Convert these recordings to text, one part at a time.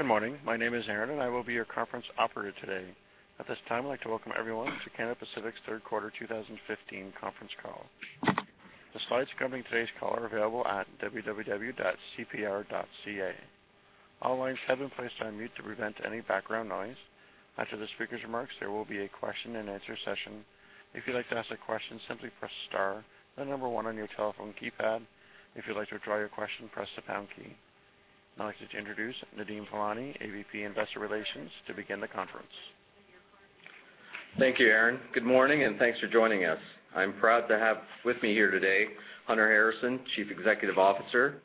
Good morning. My name is Aaron, and I will be your conference operator today. At this time, I'd like to welcome everyone to Canadian Pacific's third quarter 2015 conference call. The slides covering today's call are available at www.cpr.ca. All lines have been placed on mute to prevent any background noise. After the speaker's remarks, there will be a question-and-answer session. If you'd like to ask a question, simply press star, then number one on your telephone keypad. If you'd like to withdraw your question, press the pound key. I'd like to introduce Nadeem Velani, AVP, Investor Relations, to begin the conference. Thank you, Aaron. Good morning, and thanks for joining us. I'm proud to have with me here today, Hunter Harrison, Chief Executive Officer,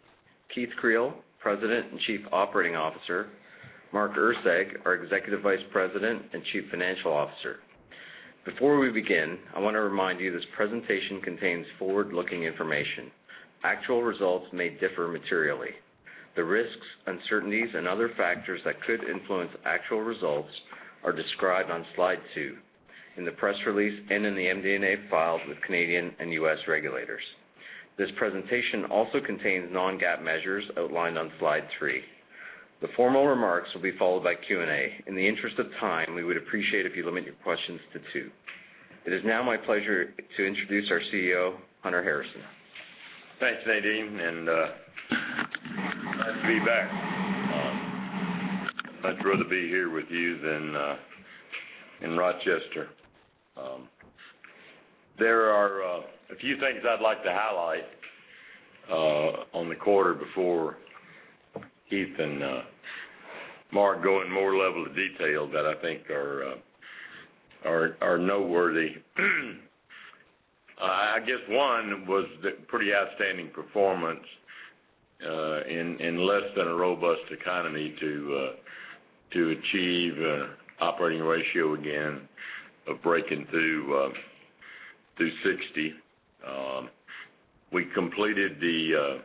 Keith Creel, President and Chief Operating Officer, Mark Erceg, our Executive Vice President and Chief Financial Officer. Before we begin, I want to remind you this presentation contains forward-looking information. Actual results may differ materially. The risks, uncertainties, and other factors that could influence actual results are described on Slide 2, in the press release, and in the MD&A filed with Canadian and U.S. regulators. This presentation also contains non-GAAP measures outlined on Slide 3. The formal remarks will be followed by Q&A. In the interest of time, we would appreciate if you limit your questions to two. It is now my pleasure to introduce our CEO, Hunter Harrison. Thanks, Nadeem, and nice to be back. I'd much rather be here with you than in Rochester. There are a few things I'd like to highlight on the quarter before Keith and Mark go in more level of detail that I think are noteworthy. I guess one was the pretty outstanding performance in less than a robust economy to achieve operating ratio again of breaking through 60%. We completed the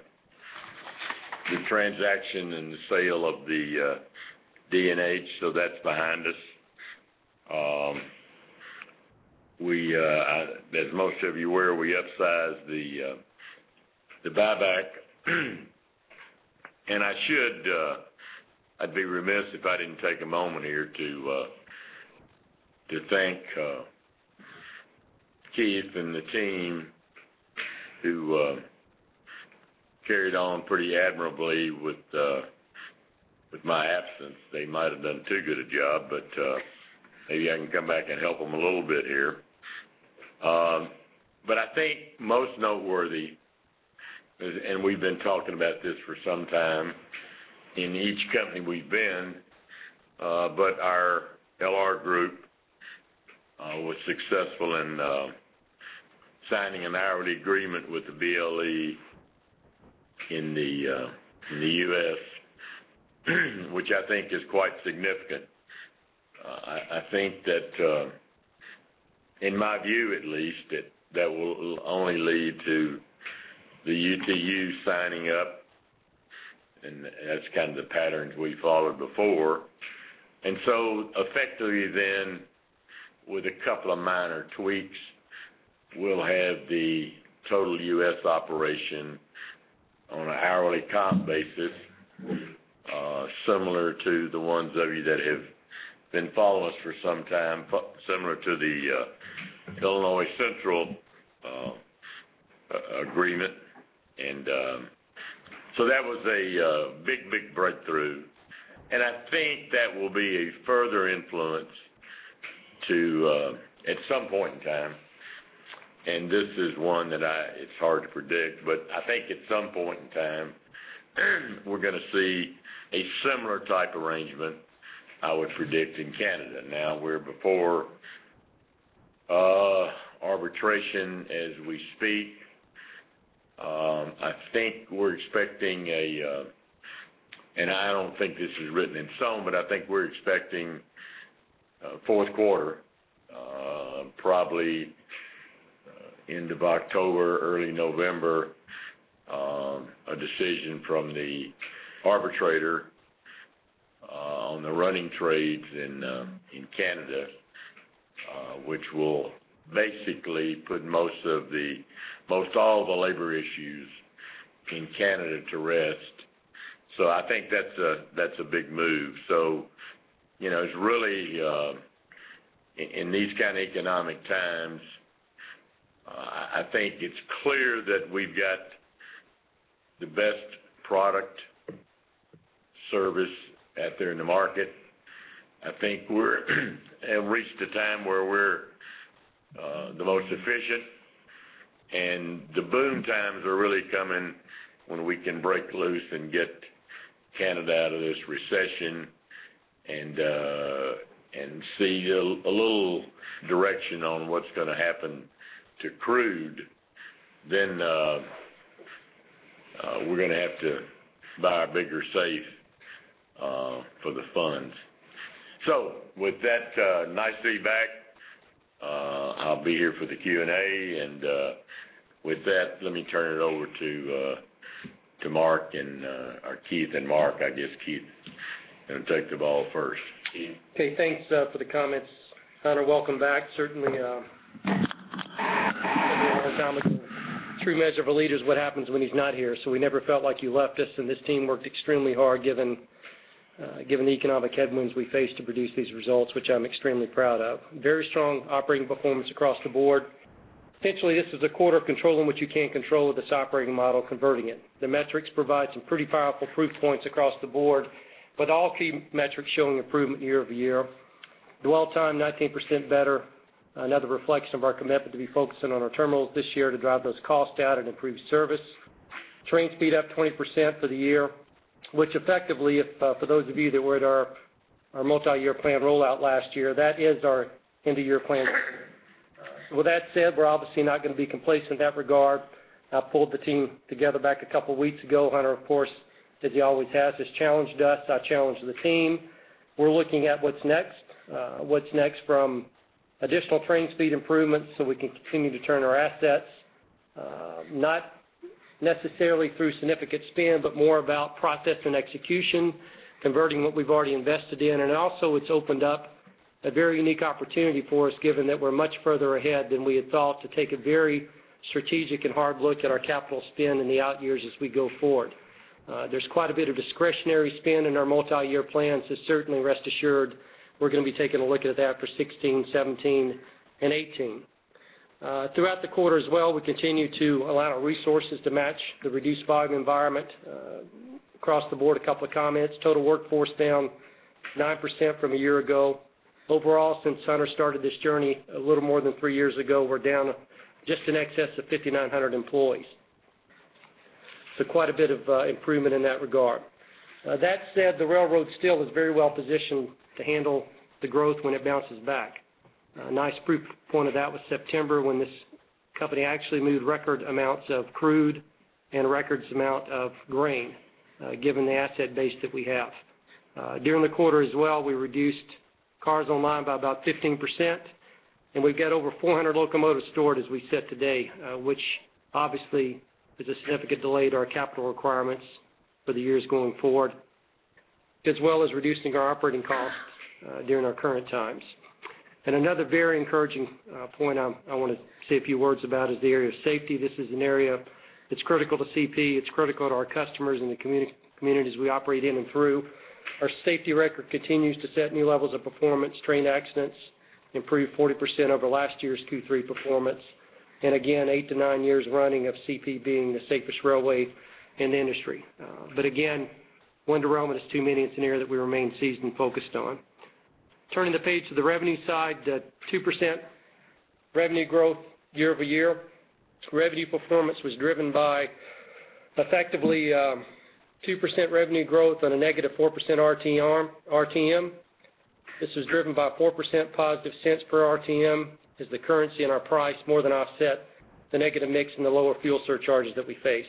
transaction and the sale of the D&H, so that's behind us. As most of you are aware, we upsized the buyback. And I should, I'd be remiss if I didn't take a moment here to thank Keith and the team who carried on pretty admirably with my absence. They might have done too good a job, but maybe I can come back and help them a little bit here. But I think most noteworthy, and we've been talking about this for some time in each company we've been, but our LR group was successful in signing an hourly agreement with the BLE in the U.S., which I think is quite significant. I think that, in my view, at least, that that will only lead to the UTU signing up, and that's kind of the patterns we followed before. And so effectively then, with a couple of minor tweaks, we'll have the total U.S. operation on an hourly comp basis, similar to the ones of you that have been following us for some time, similar to the Illinois Central agreement. And, so that was a big, big breakthrough. And I think that will be a further influence to at some point in time, and this is one that I... It's hard to predict, but I think at some point in time, we're going to see a similar type arrangement, I would predict, in Canada. Now, we're before arbitration as we speak. I think we're expecting, and I don't think this is written in stone, but I think we're expecting fourth quarter, probably end of October, early November, a decision from the arbitrator on the running trades in Canada, which will basically put most all of the labor issues in Canada to rest. So I think that's a, that's a big move. So, you know, it's really in these kind of economic times. I think it's clear that we've got the best product service out there in the market. I think we have reached a time where we are the most efficient, and the boom times are really coming when we can break loose and get Canada out of this recession and see a little direction on what's going to happen to crude. Then, we're going to have to buy a bigger safe for the funds. So with that, nice to be back. I'll be here for the Q&A, and with that, let me turn it over to Mark and or Keith and Mark. I guess, Keith, going to take the ball first. Keith. Okay, thanks for the comments. Hunter, welcome back. Certainly, the true measure of a leader is what happens when he's not here, so we never felt like you left us, and this team worked extremely hard, given the economic headwinds we faced to produce these results, which I'm extremely proud of. Very strong operating performance across the board. Essentially, this is a quarter of controlling what you can't control with this operating model, converting it. The metrics provide some pretty powerful proof points across the board, but all key metrics showing improvement year-over-year. Dwell time, 19% better. Another reflection of our commitment to be focusing on our terminals this year to drive those costs down and improve service. Train speed up 20% for the year, which effectively, if for those of you that were at our multi-year plan rollout last year, that is our end-of-year plan. With that said, we're obviously not gonna be complacent in that regard. I pulled the team together back a couple of weeks ago. Hunter, of course, as he always has, has challenged us. I challenged the team. We're looking at what's next, what's next from additional train speed improvements, so we can continue to turn our assets, not necessarily through significant spend, but more about process and execution, converting what we've already invested in. And also, it's opened up a very unique opportunity for us, given that we're much further ahead than we had thought to take a very strategic and hard look at our capital spend in the out years as we go forward. There's quite a bit of discretionary spend in our multi-year plans, so certainly, rest assured, we're gonna be taking a look at that for 2016, 2017, and 2018. Throughout the quarter as well, we continue to allow our resources to match the reduced volume environment. Across the board, a couple of comments. Total workforce down 9% from a year ago. Overall, since Hunter started this journey a little more than 3 years ago, we're down just in excess of 5,900 employees. So quite a bit of improvement in that regard. That said, the railroad still is very well positioned to handle the growth when it bounces back. A nice proof point of that was September, when this company actually moved record amounts of crude and record amounts of grain, given the asset base that we have. During the quarter as well, we reduced cars online by about 15%, and we've got over 400 locomotives stored, as we said today, which obviously is a significant delay to our capital requirements for the years going forward, as well as reducing our operating costs during our current times. Another very encouraging point I wanna say a few words about is the area of safety. This is an area that's critical to CP. It's critical to our customers and the communities we operate in and through. Our safety record continues to set new levels of performance. Train accidents improved 40% over last year's Q3 performance. And again, 8-9 years running of CP being the safest railway in the industry. But again, one derailment is too many. It's an area that we remain seasoned and focused on. Turning the page to the revenue side, the 2% revenue growth year-over-year. Revenue performance was driven by effectively, 2% revenue growth on a -4% RTM. This was driven by +4% cents per RTM, as the currency and our price more than offset the negative mix and the lower fuel surcharges that we face.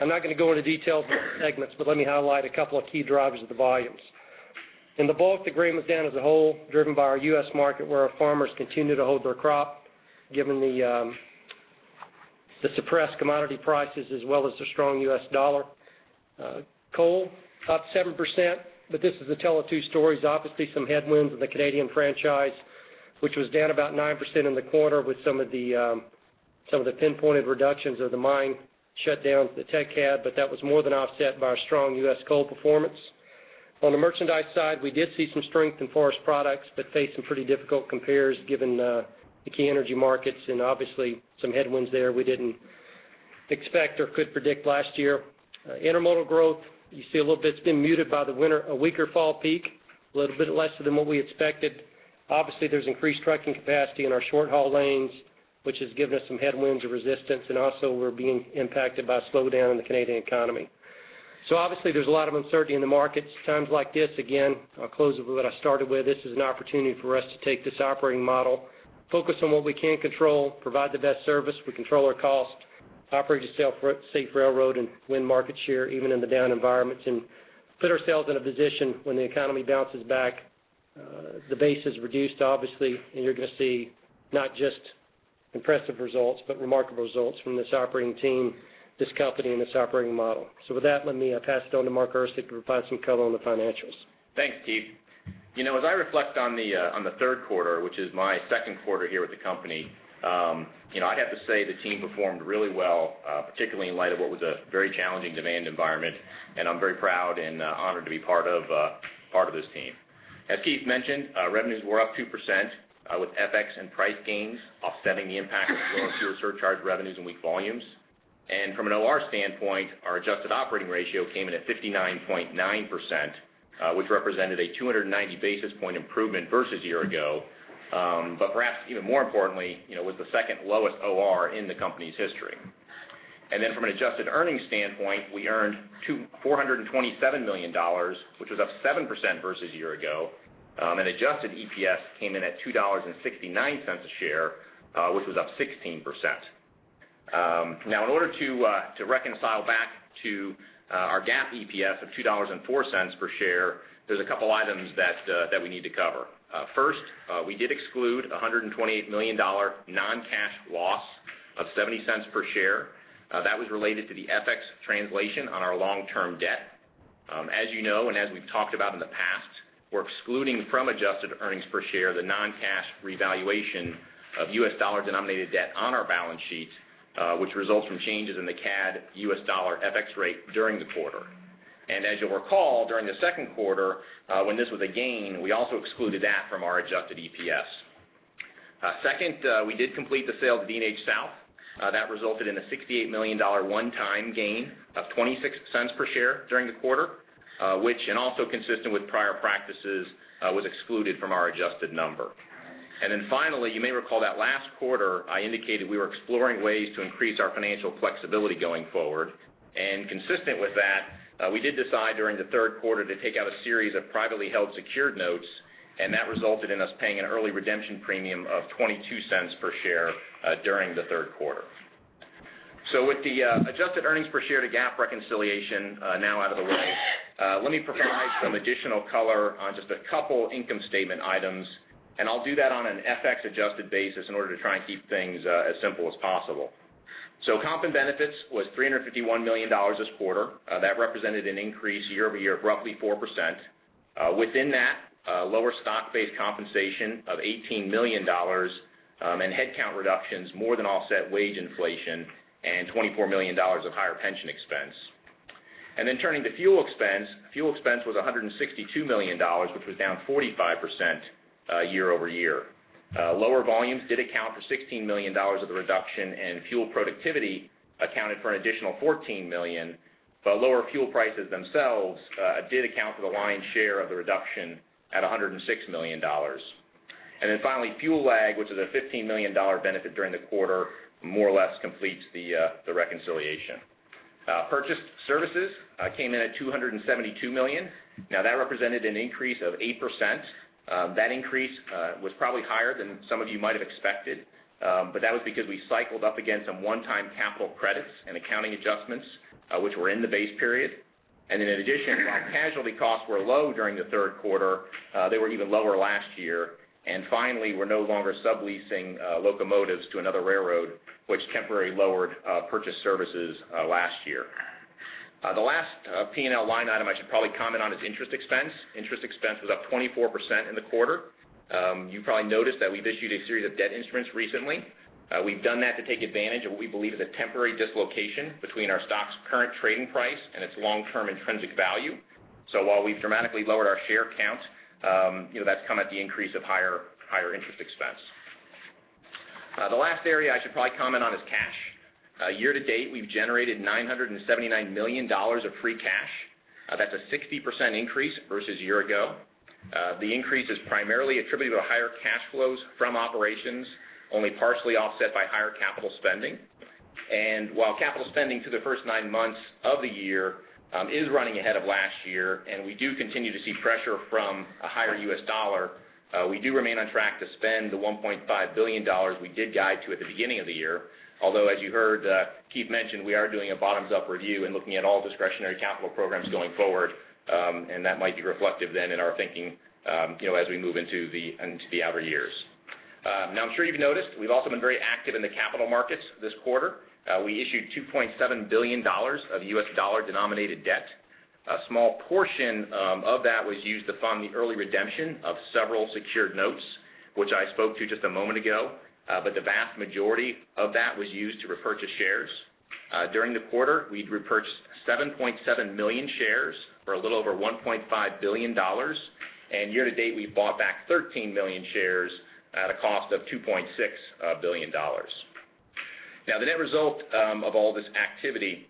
I'm not gonna go into detail for the segments, but let me highlight a couple of key drivers of the volumes. In the bulk, the grain was down as a whole, driven by our U.S. market, where our farmers continue to hold their crop, given the suppressed commodity prices, as well as the strong U.S. dollar. Coal, up 7%, but this is a tale of two stories. Obviously, some headwinds in the Canadian franchise, which was down about 9% in the quarter with some of the, some of the pinpointed reductions of the mine shutdowns that Teck had, but that was more than offset by our strong U.S. coal performance. On the merchandise side, we did see some strength in forest products, but faced some pretty difficult compares, given, the key energy markets and obviously some headwinds there we didn't expect or could predict last year. Intermodal growth, you see a little bit, it's been muted by the winter, a weaker fall peak, a little bit lesser than what we expected. Obviously, there's increased trucking capacity in our short-haul lanes, which has given us some headwinds or resistance, and also we're being impacted by a slowdown in the Canadian economy. So obviously, there's a lot of uncertainty in the markets. Times like this, again, I'll close with what I started with. This is an opportunity for us to take this operating model, focus on what we can control, provide the best service, we control our cost, operate a safe railroad, and win market share, even in the down environments, and put ourselves in a position when the economy bounces back, the base is reduced, obviously, and you're gonna see not just impressive results, but remarkable results from this operating team, this company, and this operating model. So with that, let me pass it on to Mark Erceg to provide some color on the financials. Thanks, Keith. You know, as I reflect on the third quarter, which is my second quarter here with the company, you know, I'd have to say the team performed really well, particularly in light of what was a very challenging demand environment, and I'm very proud and honored to be part of this team. As Keith mentioned, revenues were up 2%, with FX and price gains offsetting the impact of lower fuel surcharge revenues and weak volumes. And from an OR standpoint, our adjusted operating ratio came in at 59.9%, which represented a 290 basis point improvement versus a year ago, but perhaps even more importantly, you know, was the second lowest OR in the company's history. And then from an adjusted earnings standpoint, we earned $427 million, which was up 7% versus a year ago. And adjusted EPS came in at $2.69 a share, which was up 16%. Now, in order to reconcile back to our GAAP EPS of $2.04 per share, there's a couple items that we need to cover. First, we did exclude a $128 million non-cash loss of $0.70 per share. That was related to the FX translation on our long-term debt. As you know, and as we've talked about in the past, we're excluding from adjusted earnings per share the non-cash revaluation of US dollar-denominated debt on our balance sheet, which results from changes in the CAD, US dollar FX rate during the quarter. As you'll recall, during the second quarter, when this was a gain, we also excluded that from our adjusted EPS. Second, we did complete the sale of D&H South. That resulted in a $68 million one-time gain of $0.26 per share during the quarter, which, and also consistent with prior practices, was excluded from our adjusted number. Then finally, you may recall that last quarter, I indicated we were exploring ways to increase our financial flexibility going forward. Consistent with that, we did decide during the third quarter to take out a series of privately held secured notes, and that resulted in us paying an early redemption premium of $0.22 per share during the third quarter. With the adjusted earnings per share to GAAP reconciliation now out of the way, let me provide some additional color on just a couple income statement items, and I'll do that on an FX-adjusted basis in order to try and keep things as simple as possible. Comp and benefits was $351 million this quarter. That represented an increase year-over-year of roughly 4%. Within that, lower stock-based compensation of $18 million and headcount reductions more than offset wage inflation and $24 million of higher pension expense. Then turning to fuel expense, fuel expense was $162 million, which was down 45%, year-over-year. Lower volumes did account for $16 million of the reduction, and fuel productivity accounted for an additional $14 million. But lower fuel prices themselves did account for the lion's share of the reduction at $106 million. And then finally, fuel lag, which is a $15 million benefit during the quarter, more or less completes the reconciliation. Purchased services came in at $272 million. Now, that represented an increase of 8%. That increase was probably higher than some of you might have expected, but that was because we cycled up against some one-time capital credits and accounting adjustments, which were in the base period. And then in addition, while casualty costs were low during the third quarter, they were even lower last year. And finally, we're no longer subleasing locomotives to another railroad, which temporarily lowered purchased services last year. The last P&L line item I should probably comment on is interest expense. Interest expense was up 24% in the quarter. You probably noticed that we've issued a series of debt instruments recently. We've done that to take advantage of what we believe is a temporary dislocation between our stock's current trading price and its long-term intrinsic value. So while we've dramatically lowered our share count, you know, that's come at the increase of higher, higher interest expense. The last area I should probably comment on is cash. Year to date, we've generated $979 million of free cash. That's a 60% increase versus a year ago. The increase is primarily attributed to higher cash flows from operations, only partially offset by higher capital spending. While capital spending through the first nine months of the year is running ahead of last year, and we do continue to see pressure from a higher US dollar, we do remain on track to spend the $1.5 billion we did guide to at the beginning of the year. Although, as you heard, Keith mention, we are doing a bottoms-up review and looking at all discretionary capital programs going forward, and that might be reflective then in our thinking, you know, as we move into the, into the outer years. Now, I'm sure you've noticed, we've also been very active in the capital markets this quarter. We issued $2.7 billion of US dollar-denominated debt. A small portion of that was used to fund the early redemption of several secured notes, which I spoke to just a moment ago, but the vast majority of that was used to repurchase shares. During the quarter, we'd repurchased 7.7 million shares for a little over $1.5 billion, and year to date, we've bought back 13 million shares at a cost of $2.6 billion. Now, the net result of all this activity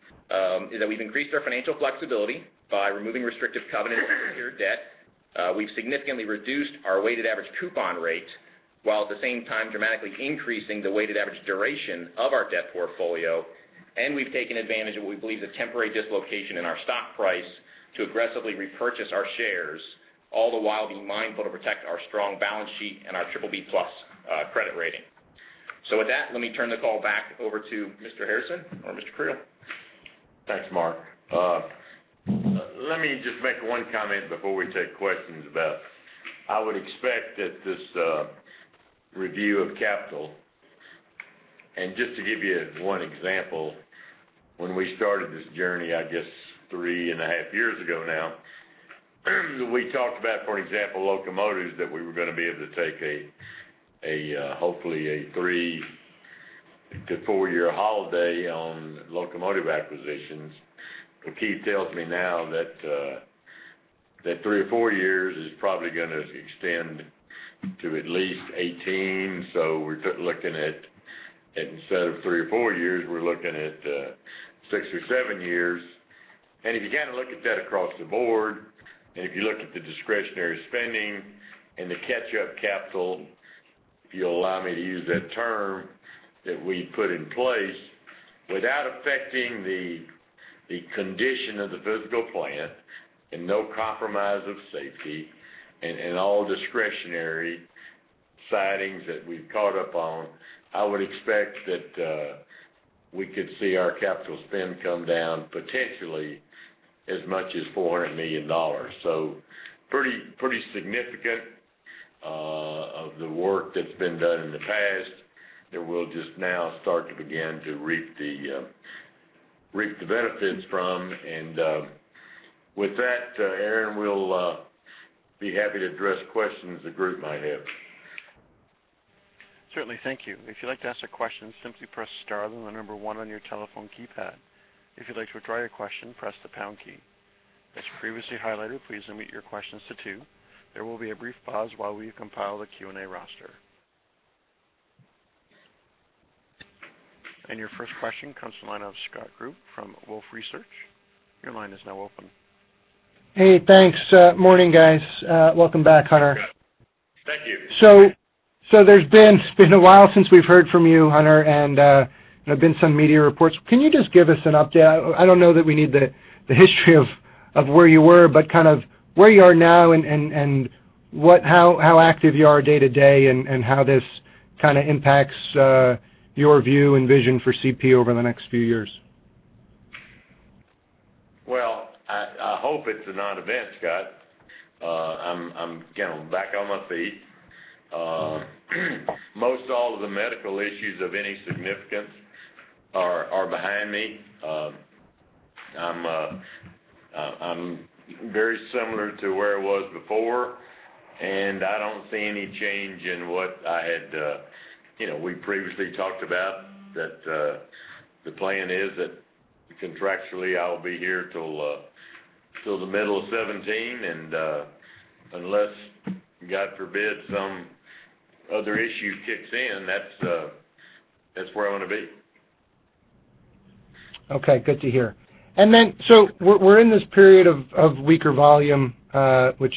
is that we've increased our financial flexibility by removing restrictive covenants from secured debt. We've significantly reduced our weighted average coupon rate, while at the same time dramatically increasing the weighted average duration of our debt portfolio. We've taken advantage of what we believe is a temporary dislocation in our stock price to aggressively repurchase our shares, all the while being mindful to protect our strong balance sheet and our BBB plus credit rating. With that, let me turn the call back over to Mr. Harrison or Mr. Creel. Thanks, Mark. Let me just make one comment before we take questions about. I would expect that this review of capital. And just to give you one example, when we started this journey, I guess 3.5 years ago now, we talked about, for example, locomotives, that we were going to be able to take a hopefully a 3-4-year holiday on locomotive acquisitions. But Keith tells me now that that 3 or 4 years is probably going to extend to at least 18. So we're looking at, instead of 3 or 4 years, we're looking at 6 or 7 years. If you kind of look at that across the board, and if you look at the discretionary spending and the catch-up capital, if you'll allow me to use that term, that we put in place, without affecting the condition of the physical plant and no compromise of safety and all discretionary sidings that we've caught up on, I would expect that we could see our capital spend come down potentially as much as $400 million. So pretty, pretty significant of the work that's been done in the past, that we'll just now start to begin to reap the benefits from. And with that, Aaron, we'll be happy to address questions the group might have. Certainly. Thank you. If you'd like to ask a question, simply press star, then the number one on your telephone keypad. If you'd like to withdraw your question, press the pound key. As previously highlighted, please limit your questions to two. There will be a brief pause while we compile the Q&A roster. Your first question comes from the line of Scott Group from Wolfe Research. Your line is now open. Hey, thanks. Morning, guys. Welcome back, Hunter. Thank you. So, it's been a while since we've heard from you, Hunter, and there have been some media reports. Can you just give us an update? I don't know that we need the history of where you were, but kind of where you are now and what—how active you are day to day, and how this kind of impacts your view and vision for CP over the next few years? Well, I hope it's a non-event, Scott. I'm, you know, back on my feet. Most all of the medical issues of any significance are behind me. I'm very similar to where I was before, and I don't see any change in what I had, you know, we previously talked about, that the plan is that contractually, I'll be here till the middle of 2017. And unless, God forbid, some other issue kicks in, that's where I want to be. Okay, good to hear. And then, so we're in this period of weaker volume, which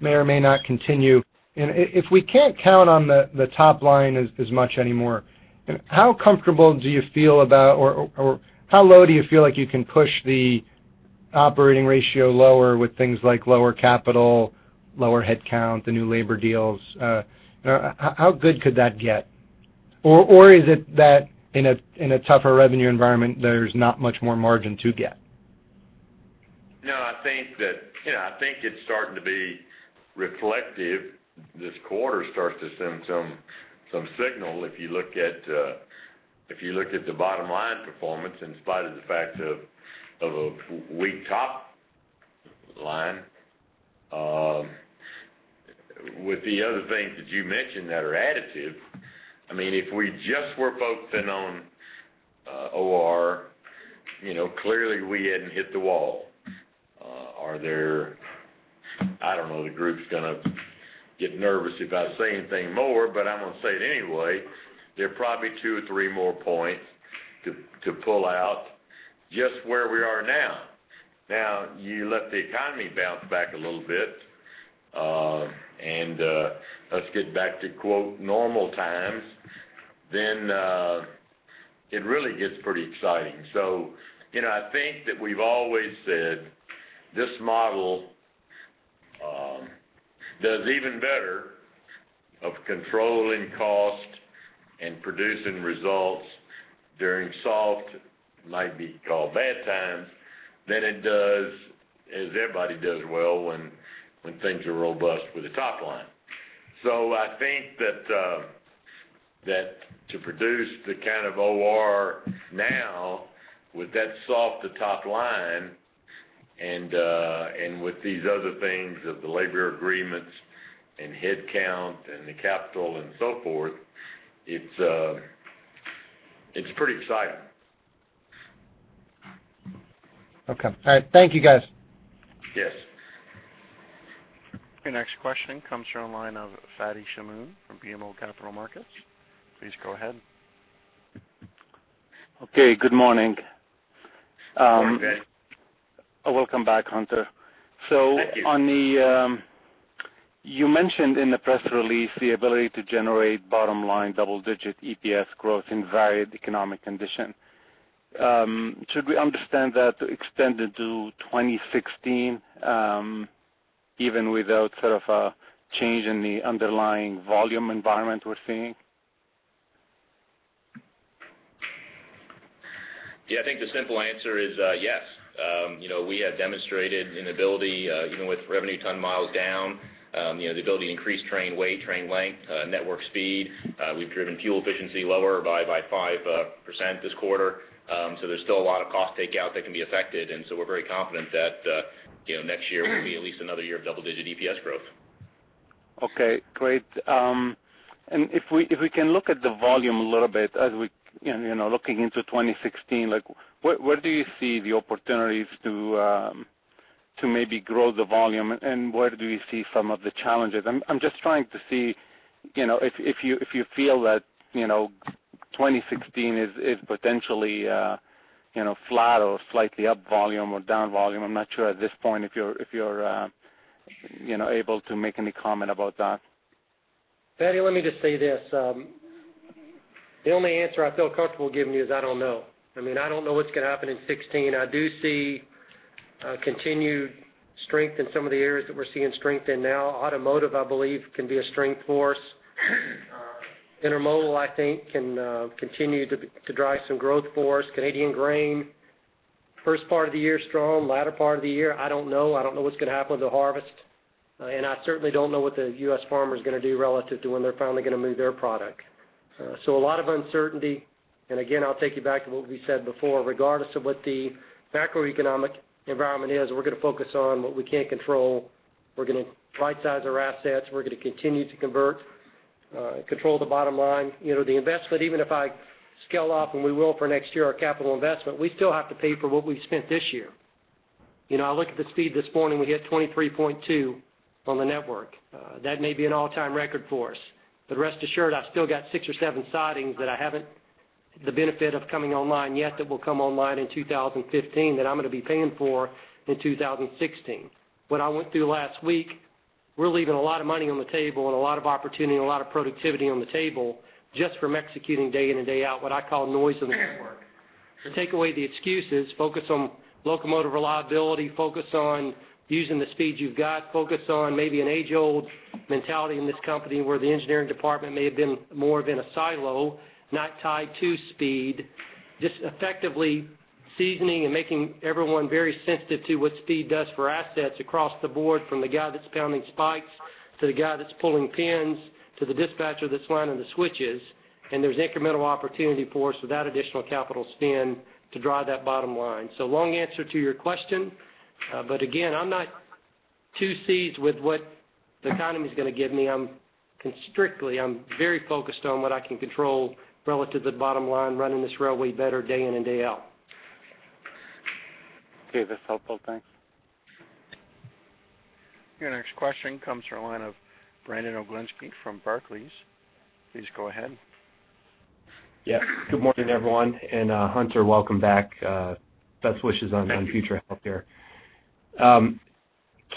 may or may not continue. And if we can't count on the top line as much anymore, how comfortable do you feel about or how low do you feel like you can push the operating ratio lower with things like lower capital, lower headcount, the new labor deals? How good could that get? Or is it that in a tougher revenue environment, there's not much more margin to get? No, I think that... You know, I think it's starting to be reflective. This quarter starts to send some signal if you look at the bottom line performance, in spite of the fact of a weak top line. With the other things that you mentioned that are additive, I mean, if we just were focusing on OR, you know, clearly, we hadn't hit the wall. Are there— I don't know, the group's gonna get nervous if I say anything more, but I'm gonna say it anyway. There are probably two or three more points to pull out just where we are now. Now, you let the economy bounce back a little bit, and let's get back to, quote, "normal times," then it really gets pretty exciting. So, you know, I think that we've always said, this model, does even better of controlling cost and producing results during soft, might be called bad times, than it does as everybody does well when, when things are robust with the top line. So I think that, that to produce the kind of OR now with that softer top line and, and with these other things of the labor agreements and headcount and the capital and so forth, it's, it's pretty exciting. Okay. All right. Thank you, guys. Yes. Your next question comes from the line of Fadi Chamoun from BMO Capital Markets. Please go ahead. Okay, good morning. Good morning. Welcome back, Hunter. Thank you. So on the, you mentioned in the press release the ability to generate bottom-line double-digit EPS growth in varied economic condition. Should we understand that to extend into 2016, even without sort of a change in the underlying volume environment we're seeing? Yeah, I think the simple answer is, yes. You know, we have demonstrated an ability, even with revenue ton miles down, you know, the ability to increase train weight, train length, network speed. We've driven fuel efficiency lower by 5% this quarter. So there's still a lot of cost takeout that can be affected, and so we're very confident that, you know, next year will be at least another year of double-digit EPS growth. Okay, great. And if we can look at the volume a little bit, as we, you know, looking into 2016, like, where do you see the opportunities to maybe grow the volume, and where do you see some of the challenges? I'm just trying to see, you know, if you feel that, you know, 2016 is potentially flat or slightly up volume or down volume. I'm not sure at this point if you're able to make any comment about that. Fadi, let me just say this: The only answer I feel comfortable giving you is I don't know. I mean, I don't know what's going to happen in 2016. I do see continued strength in some of the areas that we're seeing strength in now. Automotive, I believe, can be a strength force. Intermodal, I think, can continue to drive some growth for us. Canadian grain-... First part of the year, strong. Latter part of the year, I don't know. I don't know what's gonna happen with the harvest, and I certainly don't know what the U.S. farmer is gonna do relative to when they're finally gonna move their product. So a lot of uncertainty, and again, I'll take you back to what we said before. Regardless of what the macroeconomic environment is, we're gonna focus on what we can't control. We're gonna rightsize our assets, we're gonna continue to convert, control the bottom line. You know, the investment, even if I scale up, and we will for next year, our capital investment, we still have to pay for what we've spent this year. You know, I look at the speed this morning, we hit 23.2 on the network. That may be an all-time record for us, but rest assured, I've still got six or seven sidings that I haven't the benefit of coming online yet, that will come online in 2015, that I'm gonna be paying for in 2016. What I went through last week, we're leaving a lot of money on the table and a lot of opportunity and a lot of productivity on the table, just from executing day in and day out, what I call noise in the network. So take away the excuses, focus on locomotive reliability, focus on using the speed you've got, focus on maybe an age-old mentality in this company, where the engineering department may have been more of in a silo, not tied to speed. Just effectively seasoning and making everyone very sensitive to what speed does for assets across the board, from the guy that's pounding spikes, to the guy that's pulling pins, to the dispatcher that's running the switches. There's incremental opportunity for us without additional capital spend to drive that bottom line. So long answer to your question, but again, I'm not too concerned with what the economy is gonna give me. I'm strictly, I'm very focused on what I can control relative to the bottom line, running this railway better day in and day out. Okay, that's helpful. Thanks. Your next question comes from the line of Brandon Oglenski from Barclays. Please go ahead. Yeah. Good morning, everyone, and Hunter, welcome back. Best wishes on- Thank you... on future out there.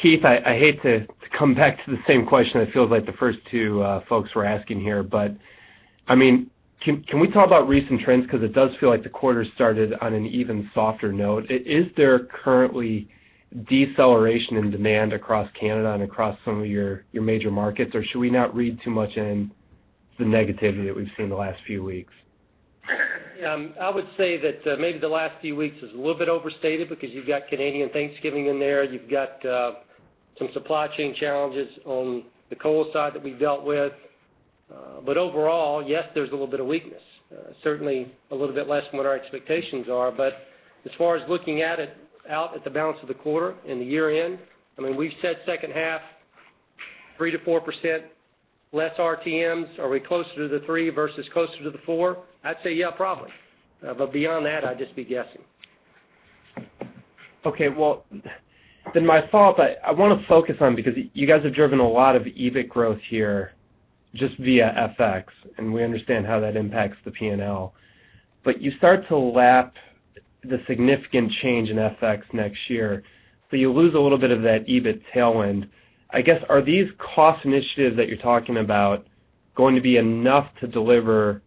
Keith, I hate to come back to the same question, it feels like the first two folks were asking here, but I mean, can we talk about recent trends? Because it does feel like the quarter started on an even softer note. Is there currently deceleration in demand across Canada and across some of your major markets, or should we not read too much in the negativity that we've seen in the last few weeks? I would say that, maybe the last few weeks is a little bit overstated because you've got Canadian Thanksgiving in there, you've got, some supply chain challenges on the coal side that we dealt with. But overall, yes, there's a little bit of weakness, certainly a little bit less than what our expectations are. But as far as looking at it, out at the balance of the quarter and the year-end, I mean, we've said second half, 3%-4% less RTMs. Are we closer to the 3 versus closer to the 4? I'd say, yeah, probably. But beyond that, I'd just be guessing. Okay, well, that's my fault, but I wanna focus on... Because you guys have driven a lot of EBIT growth here, just via FX, and we understand how that impacts the P&L. But you start to lap the significant change in FX next year, so you lose a little bit of that EBIT tailwind. I guess, are these cost initiatives that you're talking about, going to be enough to deliver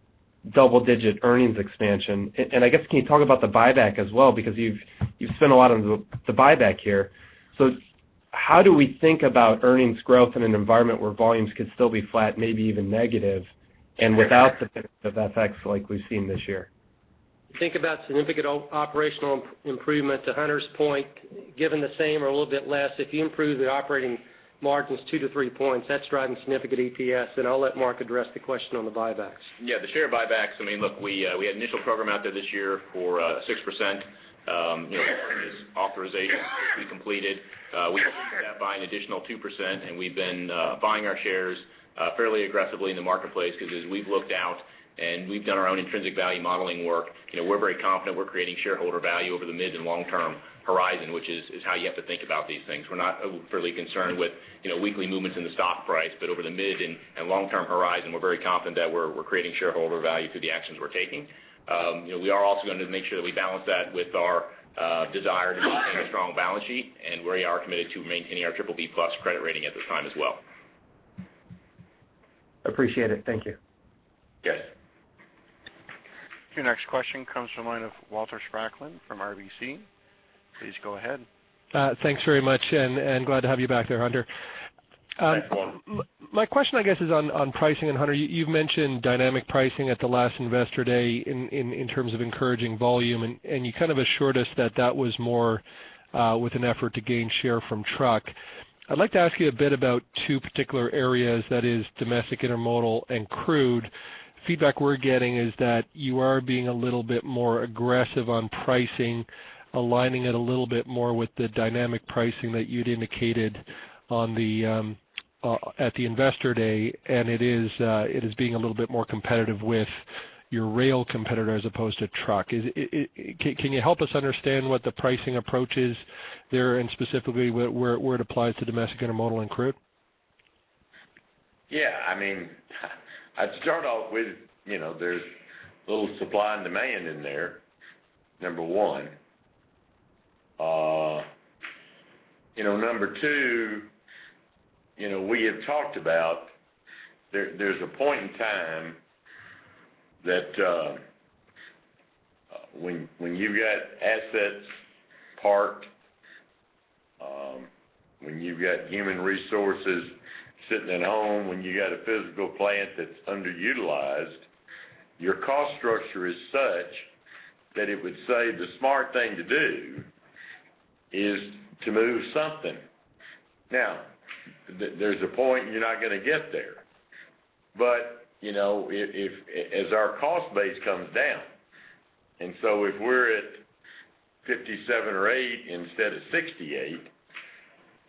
double-digit earnings expansion? And, and I guess, can you talk about the buyback as well? Because you've, you've spent a lot on the, the buyback here. So how do we think about earnings growth in an environment where volumes could still be flat, maybe even negative, and without the benefit of FX like we've seen this year? Think about significant operational improvement, to Hunter's point, given the same or a little bit less. If you improve the operating margins 2-3 points, that's driving significant EPS, and I'll let Mark address the question on the buybacks. Yeah, the share buybacks, I mean, look, we had initial program out there this year for 6%, you know, authorization to be completed. We buy an additional 2%, and we've been buying our shares fairly aggressively in the marketplace, because as we've looked out and we've done our own intrinsic value modeling work, you know, we're very confident we're creating shareholder value over the mid and long-term horizon, which is how you have to think about these things. We're not really concerned with, you know, weekly movements in the stock price, but over the mid and long-term horizon, we're very confident that we're creating shareholder value through the actions we're taking. You know, we are also going to make sure that we balance that with our desire to maintain a strong balance sheet, and we are committed to maintaining our Triple BB credit rating at this time as well. Appreciate it. Thank you. Yes. Your next question comes from the line of Walter Spracklen from RBC. Please go ahead. Thanks very much, and glad to have you back there, Hunter. Thanks, Walter. My question, I guess, is on pricing, and Hunter, you've mentioned dynamic pricing at the last Investor Day in terms of encouraging volume, and you kind of assured us that that was more with an effort to gain share from truck. I'd like to ask you a bit about two particular areas, that is domestic Intermodal and Crude. Feedback we're getting is that you are being a little bit more aggressive on pricing, aligning it a little bit more with the dynamic pricing that you'd indicated at the Investor Day, and it is being a little bit more competitive with your rail competitor as opposed to truck. Can you help us understand what the pricing approach is there, and specifically, where it applies to domestic Intermodal and Crude? Yeah, I mean, I'd start off with, you know, there's a little supply and demand in there, number one. You know, number two, you know, we have talked about there, there's a point in time that, when, when you've got assets parked-... when you've got human resources sitting at home, when you got a physical plant that's underutilized, your cost structure is such that it would say the smart thing to do is to move something. Now, there's a point you're not gonna get there. But, you know, as our cost base comes down, and so if we're at 57 or 58 instead of 68,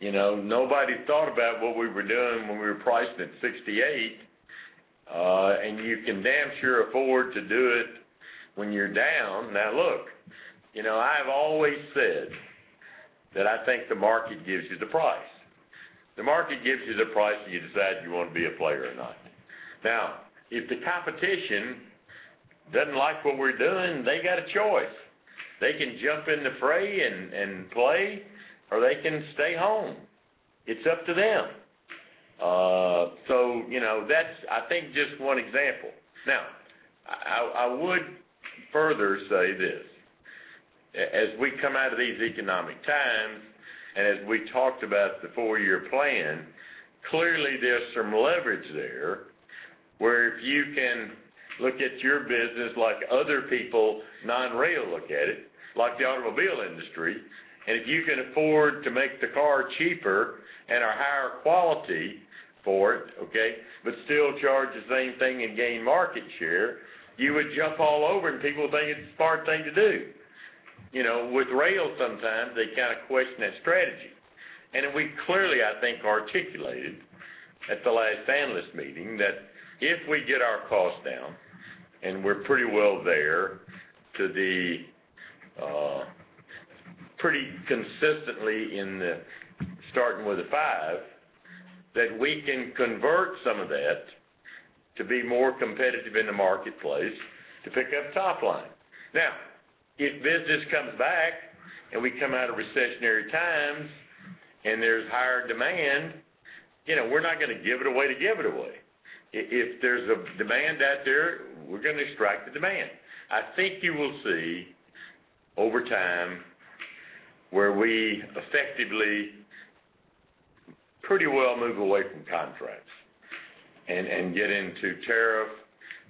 you know, nobody thought about what we were doing when we were priced at 68. And you can damn sure afford to do it when you're down. Now, look, you know, I've always said that I think the market gives you the price. The market gives you the price, and you decide you want to be a player or not. Now, if the competition doesn't like what we're doing, they got a choice. They can jump in the fray and play, or they can stay home. It's up to them. So, you know, that's, I think, just one example. Now, I would further say this: As we come out of these economic times, and as we talked about the four-year plan, clearly there's some leverage there, where if you can look at your business like other people, non-rail, look at it, like the automobile industry, and if you can afford to make the car cheaper and are higher quality for it, okay, but still charge the same thing and gain market share, you would jump all over it, and people would think it's a smart thing to do. You know, with rail, sometimes they kind of question that strategy. We clearly, I think, articulated at the last analyst meeting that if we get our costs down, and we're pretty well there, to the pretty consistently in the starting with a five, that we can convert some of that to be more competitive in the marketplace to pick up top line. Now, if business comes back and we come out of recessionary times and there's higher demand, you know, we're not gonna give it away to give it away. If there's a demand out there, we're gonna strike the demand. I think you will see over time, where we effectively pretty well move away from contracts and get into tariff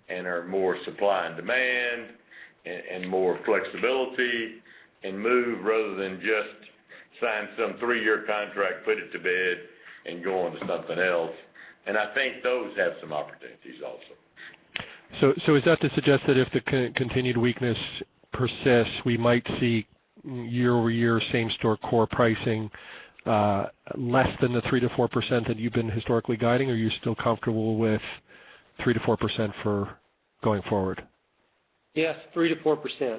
and are more supply and demand, and more flexibility and move rather than just sign some three-year contract, put it to bed, and go on to something else. And I think those have some opportunities also. So, is that to suggest that if the continued weakness persists, we might see year-over-year same-store core pricing less than the 3%-4% that you've been historically guiding? Or are you still comfortable with 3%-4% for going forward? Yes, 3%-4%.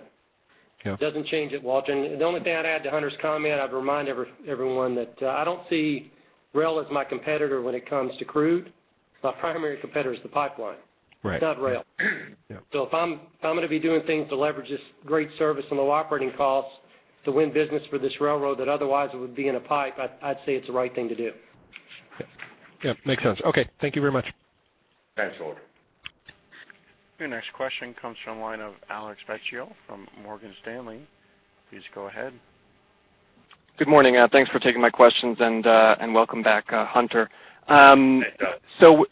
Yeah. Doesn't change it, Walter. The only thing I'd add to Hunter's comment, I'd remind everyone that, I don't see rail as my competitor when it comes to crude. My primary competitor is the pipeline- Right. -not rail. Yeah. So if I'm gonna be doing things to leverage this great service and low operating costs to win business for this railroad, that otherwise it would be in a pipe, I'd say it's the right thing to do. Yeah. Yeah, makes sense. Okay, thank you very much. Thanks, Walter. Your next question comes from the line of Alex Vecchio from Morgan Stanley. Please go ahead. Good morning, thanks for taking my questions and welcome back, Hunter. So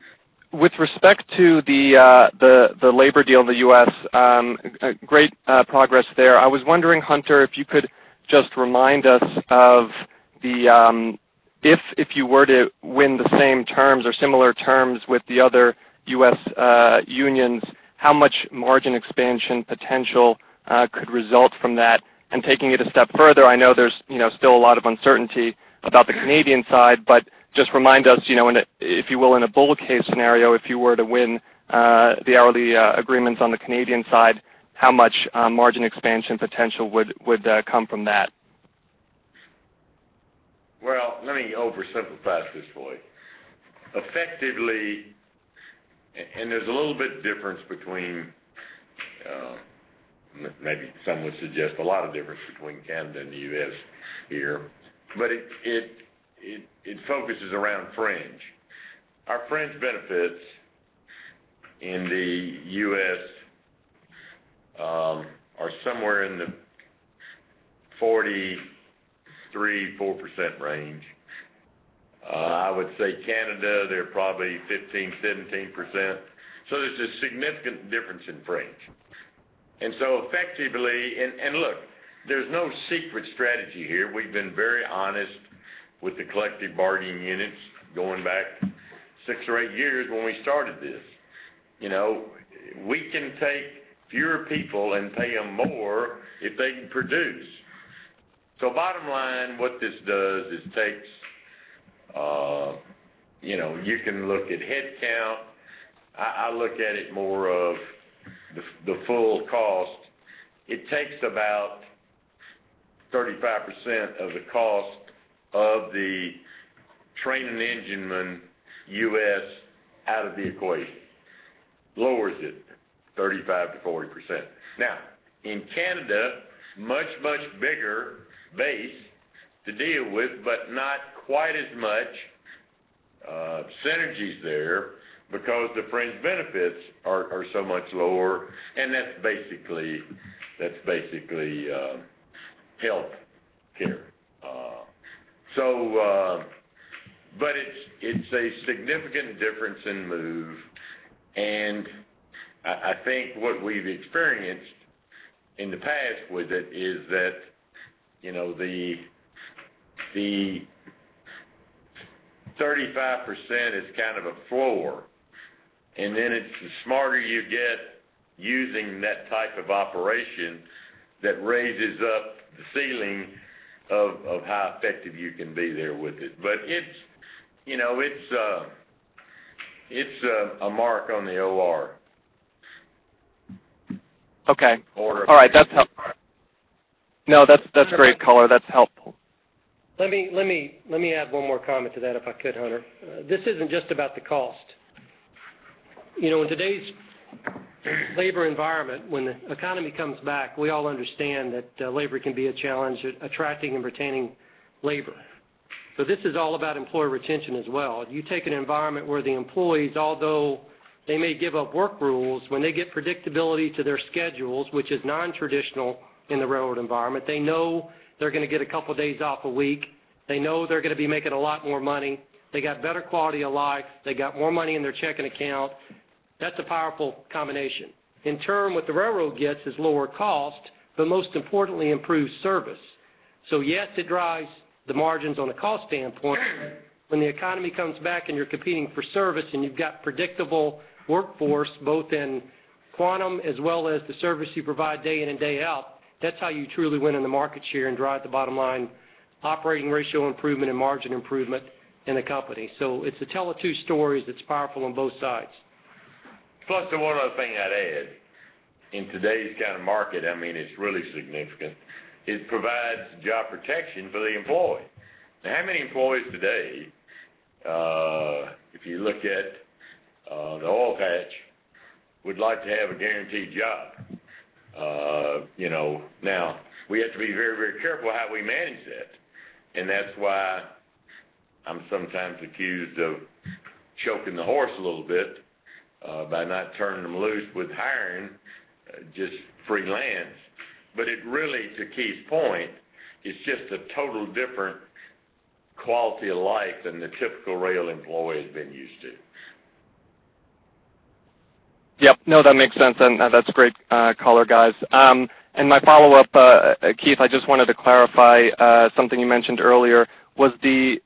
with respect to the labor deal in the US, great progress there. I was wondering, Hunter, if you could just remind us if you were to win the same terms or similar terms with the other U.S. unions, how much margin expansion potential could result from that? And taking it a step further, I know there's, you know, still a lot of uncertainty about the Canadian side, but just remind us, you know, in a—if you will, in a bull case scenario, if you were to win the early agreements on the Canadian side, how much margin expansion potential would come from that? Well, let me oversimplify this for you. Effectively, and there's a little bit difference between, maybe some would suggest a lot of difference between Canada and the U.S. here, but it focuses around fringe. Our fringe benefits in the U.S. are somewhere in the 43-44% range. I would say Canada, they're probably 15-17%. So there's a significant difference in fringe. And so effectively, and look, there's no secret strategy here. We've been very honest with the collective bargaining units going back 6 or 8 years when we started this. You know, we can take fewer people and pay them more if they can produce. So bottom line, what this does is takes, you know, you can look at headcount. I look at it more of the full cost. It takes about 35% of the cost of the train and enginemen U.S. out of the equation. Lowers it 35%-40%. Now, in Canada, much, much bigger base to deal with, but not quite as much synergies there because the fringe benefits are, are so much lower, and that's basically, that's basically health care. So, but it's, it's a significant difference in move, and I think what we've experienced in the past with it is that, you know, the 35% is kind of a floor, and then it's the smarter you get using that type of operation that raises up the ceiling of how effective you can be there with it. But it's, you know, it's a mark on the OR. Okay. Or- All right, that's help. No, that's, that's great color. That's helpful. Let me add one more comment to that, if I could, Hunter. This isn't just about the cost. You know, in today's labor environment, when the economy comes back, we all understand that, labor can be a challenge at attracting and retaining labor. So this is all about employee retention as well. You take an environment where the employees, although they may give up work rules, when they get predictability to their schedules, which is nontraditional in the railroad environment, they know they're gonna get a couple days off a week. They know they're gonna be making a lot more money. They got better quality of life. They got more money in their checking account. That's a powerful combination. In turn, what the railroad gets is lower cost, but most importantly, improved service. So yes, it drives the margins on a cost standpoint. When the economy comes back and you're competing for service, and you've got predictable workforce, both in quantity as well as the service you provide day in and day out, that's how you truly win in the market share and drive the bottom line, operating ratio improvement and margin improvement in the company. So it's a tale or two stories that's powerful on both sides. Plus, the one other thing I'd add. In today's kind of market, I mean, it's really significant. It provides job protection for the employee. Now, how many employees today, if you look at, the oil patch, would like to have a guaranteed job? You know, now we have to be very, very careful how we manage that, and that's why I'm sometimes accused of choking the horse a little bit, by not turning them loose with hiring, just freelance. But it really, to Keith's point, it's just a total different quality of life than the typical rail employee has been used to. Yep. No, that makes sense, and that's great color, guys. My follow-up, Keith, I just wanted to clarify something you mentioned earlier. Was the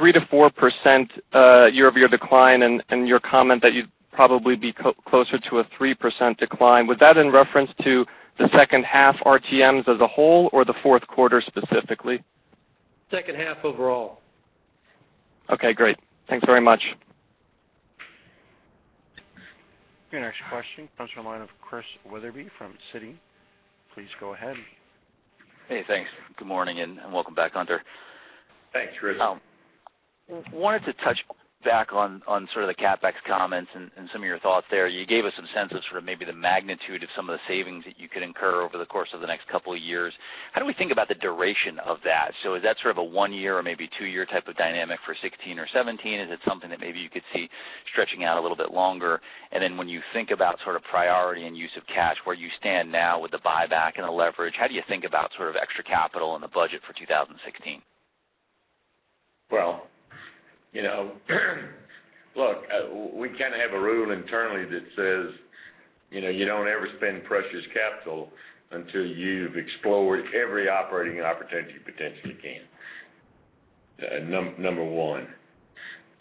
3%-4% year-over-year decline and your comment that you'd probably be closer to a 3% decline in reference to the second half RTMs as a whole, or the fourth quarter, specifically? Second half, overall. Okay, great. Thanks very much. Your next question comes from the line of Chris Witherbee from Citi. Please go ahead. Hey, thanks. Good morning, and welcome back, Hunter. Thanks, Chris. Wanted to touch back on sort of the CapEx comments and some of your thoughts there. You gave us some sense of sort of maybe the magnitude of some of the savings that you could incur over the course of the next couple of years. How do we think about the duration of that? So is that sort of a one-year or maybe two-year type of dynamic for 2016 or 2017? Is it something that maybe you could see stretching out a little bit longer? And then when you think about sort of priority and use of cash, where you stand now with the buyback and the leverage, how do you think about sort of extra capital in the budget for 2016? Well, you know, look, we kinda have a rule internally that says, you know, you don't ever spend precious capital until you've explored every operating opportunity you potentially can, number one.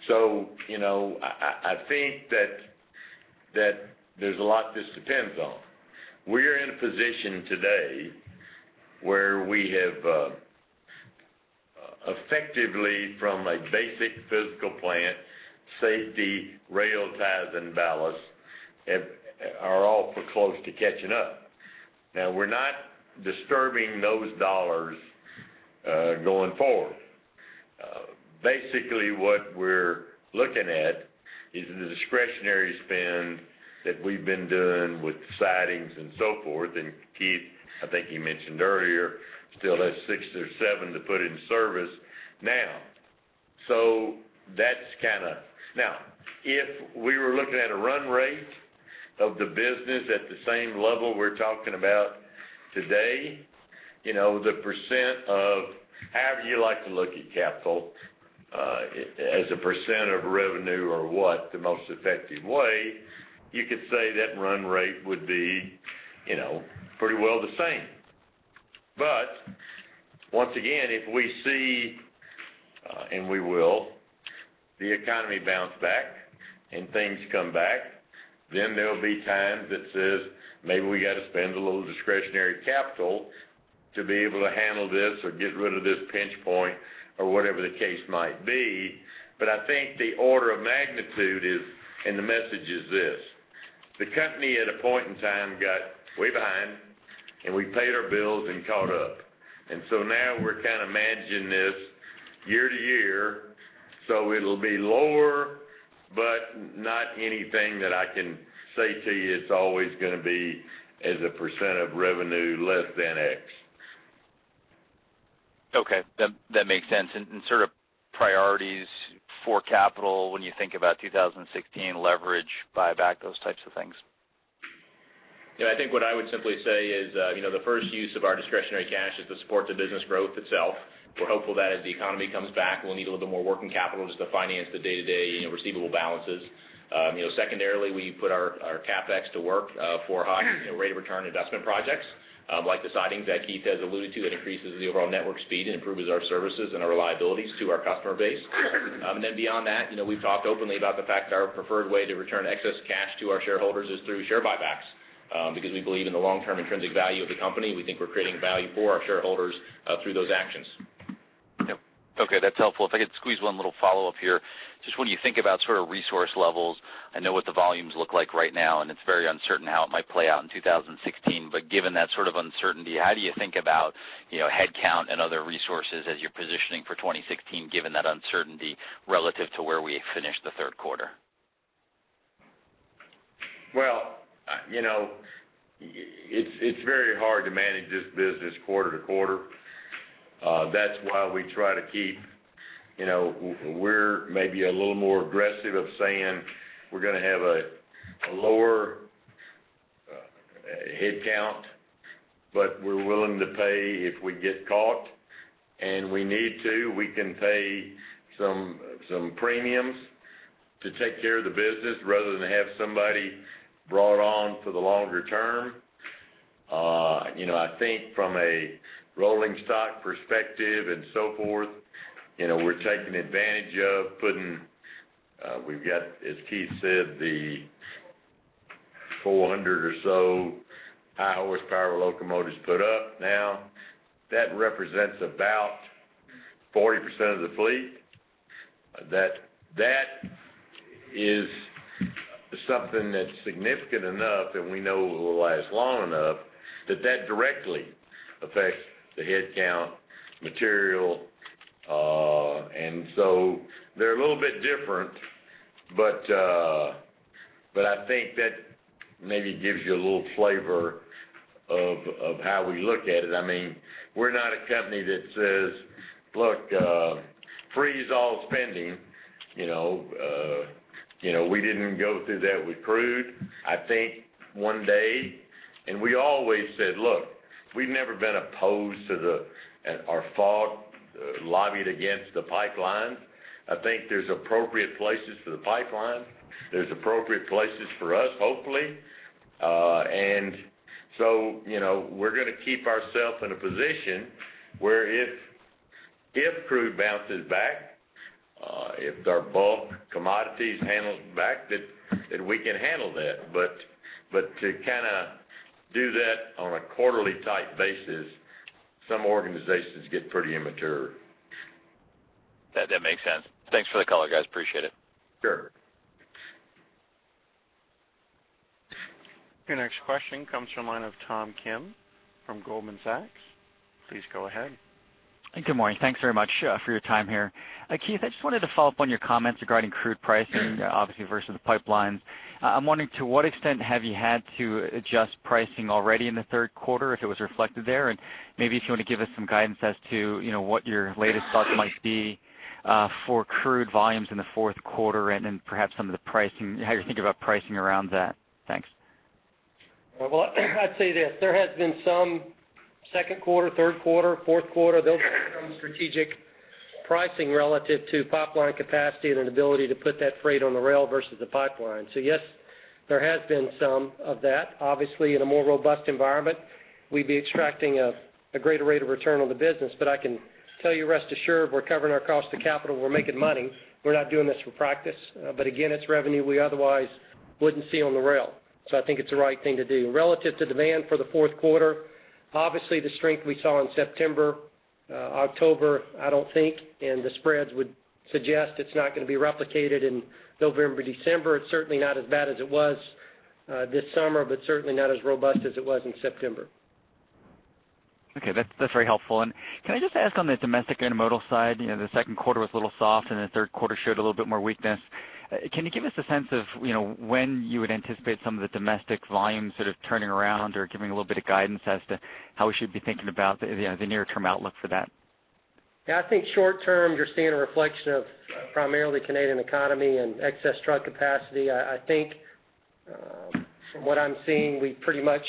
So, you know, I think that there's a lot this depends on. We're in a position today where we have effectively from a basic physical plant, safety, rail ties and ballast are all for close to catching up. Now, we're not disturbing those dollars going forward. Basically, what we're looking at is the discretionary spend that we've been doing with the sidings and so forth, and Keith, I think you mentioned earlier, still has 6 or 7 to put in service now. So that's kinda... Now, if we were looking at a run rate of the business at the same level we're talking about today, you know, the percent of however you like to look at capital, as a percent of revenue or what, the most effective way, you could say that run rate would be, you know, pretty well the same. But once again, if we see, and we will, the economy bounce back and things come back, then there will be times that says, maybe we gotta spend a little discretionary capital to be able to handle this or get rid of this pinch point or whatever the case might be. But I think the order of magnitude is, and the message is this: the company, at a point in time, got way behind, and we paid our bills and caught up. And so now we're kind of managing this year to year, so it'll be lower, but not anything that I can say to you it's always gonna be as a percent of revenue less than X.... Okay, that makes sense. And sort of priorities for capital when you think about 2016 leverage, buyback, those types of things? Yeah, I think what I would simply say is, you know, the first use of our discretionary cash is to support the business growth itself. We're hopeful that as the economy comes back, we'll need a little bit more working capital just to finance the day-to-day, you know, receivable balances. You know, secondarily, we put our CapEx to work, for high rate of return investment projects, like the sidings that Keith has alluded to, that increases the overall network speed and improves our services and our liabilities to our customer base. And then beyond that, you know, we've talked openly about the fact that our preferred way to return excess cash to our shareholders is through share buybacks, because we believe in the long-term intrinsic value of the company. We think we're creating value for our shareholders, through those actions. Yep. Okay, that's helpful. If I could squeeze one little follow-up here. Just when you think about sort of resource levels, I know what the volumes look like right now, and it's very uncertain how it might play out in 2016. But given that sort of uncertainty, how do you think about, you know, headcount and other resources as you're positioning for 2016, given that uncertainty relative to where we had finished the third quarter? Well, you know, it's very hard to manage this business quarter to quarter. That's why we try to keep, you know, we're maybe a little more aggressive of saying we're gonna have a lower headcount, but we're willing to pay if we get caught, and we need to, we can pay some premiums to take care of the business rather than have somebody brought on for the longer term. You know, I think from a rolling stock perspective and so forth, you know, we're taking advantage of putting, we've got, as Keith said, the 400 or so high horsepower locomotives put up now. That represents about 40% of the fleet. That is something that's significant enough, and we know will last long enough, that that directly affects the headcount material. And so they're a little bit different, but, but I think that maybe gives you a little flavor of how we look at it. I mean, we're not a company that says, "Look, freeze all spending," you know, you know, we didn't go through that with crude. I think one day, and we always said, look, we've never been opposed to the, and, or fought, lobbied against the pipeline. I think there's appropriate places for the pipeline. There's appropriate places for us, hopefully. And so, you know, we're gonna keep ourself in a position where if crude bounces back, if our bulk commodities handles back, that, then we can handle that. But, but to kind of do that on a quarterly-type basis, some organizations get pretty immature. That, that makes sense. Thanks for the call, guys. Appreciate it. Sure. Your next question comes from line of Tom Kim from Goldman Sachs. Please go ahead. Good morning. Thanks very much for your time here. Keith, I just wanted to follow up on your comments regarding crude pricing, obviously, versus the pipelines. I'm wondering, to what extent have you had to adjust pricing already in the third quarter, if it was reflected there? And maybe if you want to give us some guidance as to, you know, what your latest thoughts might be, for crude volumes in the fourth quarter and then perhaps some of the pricing, how you're thinking about pricing around that? Thanks. Well, I'd say this, there has been some second quarter, third quarter, fourth quarter, there'll be some strategic pricing relative to pipeline capacity and an ability to put that freight on the rail versus the pipeline. So yes, there has been some of that. Obviously, in a more robust environment, we'd be extracting a greater rate of return on the business. But I can tell you, rest assured, we're covering our cost of capital. We're making money. We're not doing this for practice, but again, it's revenue we otherwise wouldn't see on the rail. So I think it's the right thing to do. Relative to demand for the fourth quarter, obviously, the strength we saw in September, October, I don't think, and the spreads would suggest it's not going to be replicated in November, December. It's certainly not as bad as it was, this summer, but certainly not as robust as it was in September. Okay, that's, that's very helpful. And can I just ask on the domestic intermodal side, you know, the second quarter was a little soft, and the third quarter showed a little bit more weakness. Can you give us a sense of, you know, when you would anticipate some of the domestic volumes sort of turning around or giving a little bit of guidance as to how we should be thinking about the, you know, the near-term outlook for that? Yeah, I think short term, you're seeing a reflection of primarily Canadian economy and excess truck capacity. I think from what I'm seeing, we pretty much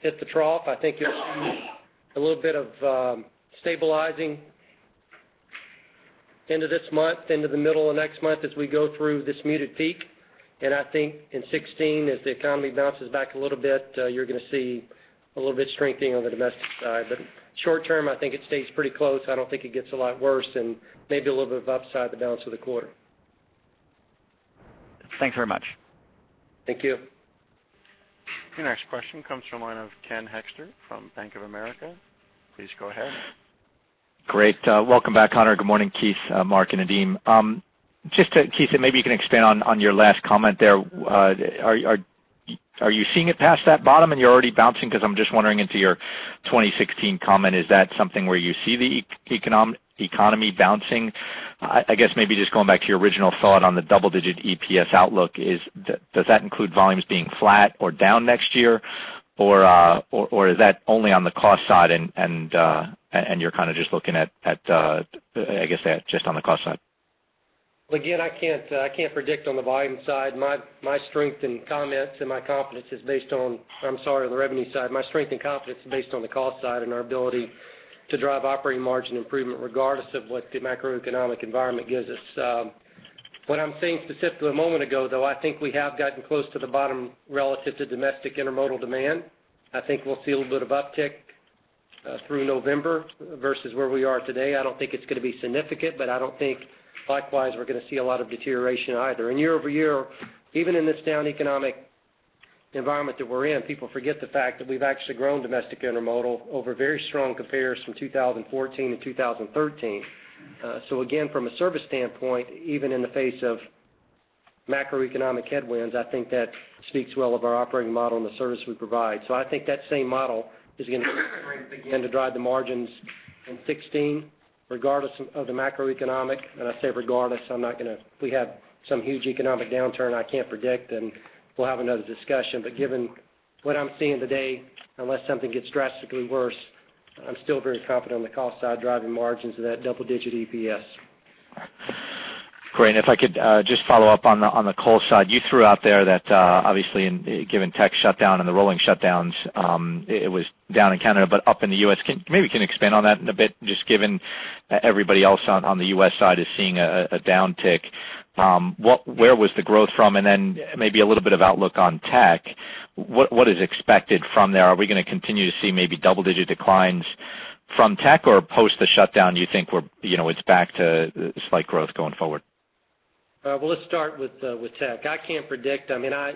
hit the trough. I think you're seeing a little bit of stabilizing into this month, into the middle of next month as we go through this muted peak. And I think in 2016, as the economy bounces back a little bit, you're gonna see a little bit strengthening on the domestic side. But short term, I think it stays pretty close. I don't think it gets a lot worse and maybe a little bit of upside the balance of the quarter. Thanks very much. Thank you. Your next question comes from the line of Ken Hoexter from Bank of America. Please go ahead. Great. Welcome back, Hunter. Good morning, Keith, Mark, and Nadeem. Just to Keith, and maybe you can expand on your last comment there. Are you seeing it past that bottom and you're already bouncing? Because I'm just wondering into your 2016 comment, is that something where you see the economy bouncing? I guess maybe just going back to your original thought on the double-digit EPS outlook, is—does that include volumes being flat or down next year? ... or is that only on the cost side and you're kind of just looking at, I guess, at just on the cost side? Well, again, I can't predict on the volume side. My strength and comments and my confidence is based on—I'm sorry, on the revenue side. My strength and confidence is based on the cost side and our ability to drive operating margin improvement, regardless of what the macroeconomic environment gives us. What I'm saying specifically a moment ago, though, I think we have gotten close to the bottom relative to domestic intermodal demand. I think we'll see a little bit of uptick through November versus where we are today. I don't think it's going to be significant, but I don't think likewise, we're going to see a lot of deterioration either. Year over year, even in this down economic environment that we're in, people forget the fact that we've actually grown domestic intermodal over very strong compares from 2014 to 2013. So again, from a service standpoint, even in the face of macroeconomic headwinds, I think that speaks well of our operating model and the service we provide. So I think that same model is going to begin to drive the margins in 2016, regardless of the macroeconomic. And I say regardless, I'm not going to... If we have some huge economic downturn, I can't predict, and we'll have another discussion. But given what I'm seeing today, unless something gets drastically worse, I'm still very confident on the cost side, driving margins of that double-digit EPS. Great. And if I could, just follow up on the, on the coal side. You threw out there that, obviously, and given Teck shutdown and the rolling shutdowns, it was down in Canada, but up in the U.S. Maybe you can expand on that in a bit, just given everybody else on the US side is seeing a downtick. Where was the growth from? And then maybe a little bit of outlook on Teck. What is expected from there? Are we going to continue to see maybe double-digit declines from Teck, or post the shutdown, do you think we're, you know, it's back to slight growth going forward? Well, let's start with Teck. I can't predict. I mean, I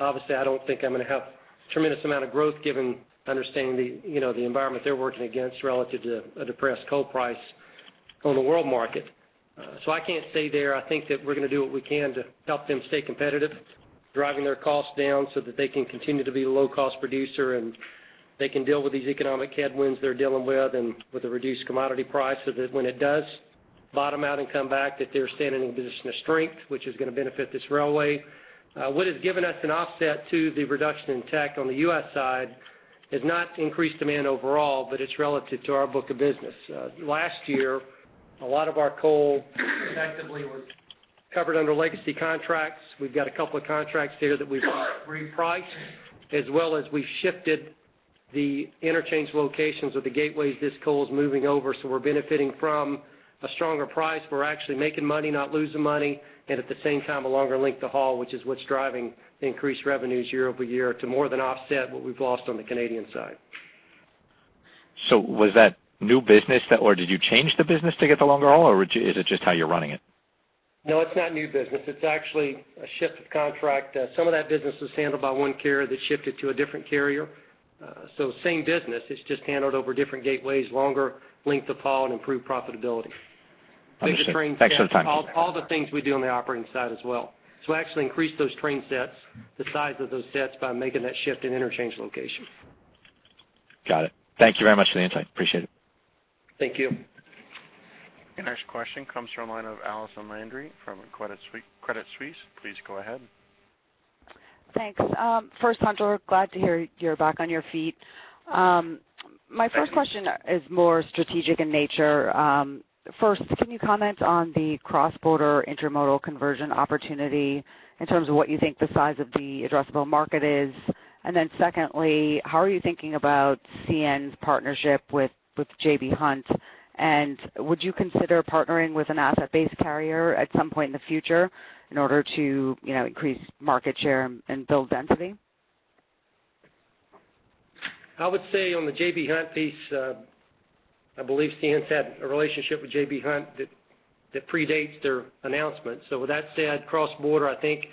obviously don't think I'm going to have a tremendous amount of growth given understanding the, you know, the environment they're working against relative to a depressed coal price on the world market. So I can't say there. I think that we're going to do what we can to help them stay competitive, driving their costs down so that they can continue to be a low-cost producer, and they can deal with these economic headwinds they're dealing with, and with the reduced commodity price, so that when it does bottom out and come back, that they're standing in a position of strength, which is going to benefit this railway. What has given us an offset to the reduction in Teck on the U.S. side is not increased demand overall, but it's relative to our book of business. Last year, a lot of our coal effectively was covered under legacy contracts. We've got a couple of contracts here that we've repriced, as well as we've shifted the interchange locations of the gateways this coal is moving over. So we're benefiting from a stronger price. We're actually making money, not losing money, and at the same time, a longer length of haul, which is what's driving the increased revenues year-over-year to more than offset what we've lost on the Canadian side. Was that new business that, or did you change the business to get the longer haul, or is it just how you're running it? No, it's not new business. It's actually a shift of contract. Some of that business was handled by one carrier that shifted to a different carrier. So same business, it's just handled over different gateways, longer length of haul and improved profitability. Thanks for the time. All the things we do on the operating side as well. So actually increase those train sets, the size of those sets by making that shift in interchange location. Got it. Thank you very much for the insight. Appreciate it. Thank you. Our next question comes from the line of Allison Landry from Credit Suisse. Please go ahead. Thanks. First, Hunter, glad to hear you're back on your feet. My first question is more strategic in nature. First, can you comment on the cross-border intermodal conversion opportunity in terms of what you think the size of the addressable market is? And then secondly, how are you thinking about CN's partnership with J.B. Hunt? And would you consider partnering with an asset-based carrier at some point in the future in order to, you know, increase market share and build density? I would say on the J.B. Hunt piece, I believe CN's had a relationship with J.B. Hunt that, that predates their announcement. So with that said, cross-border, I think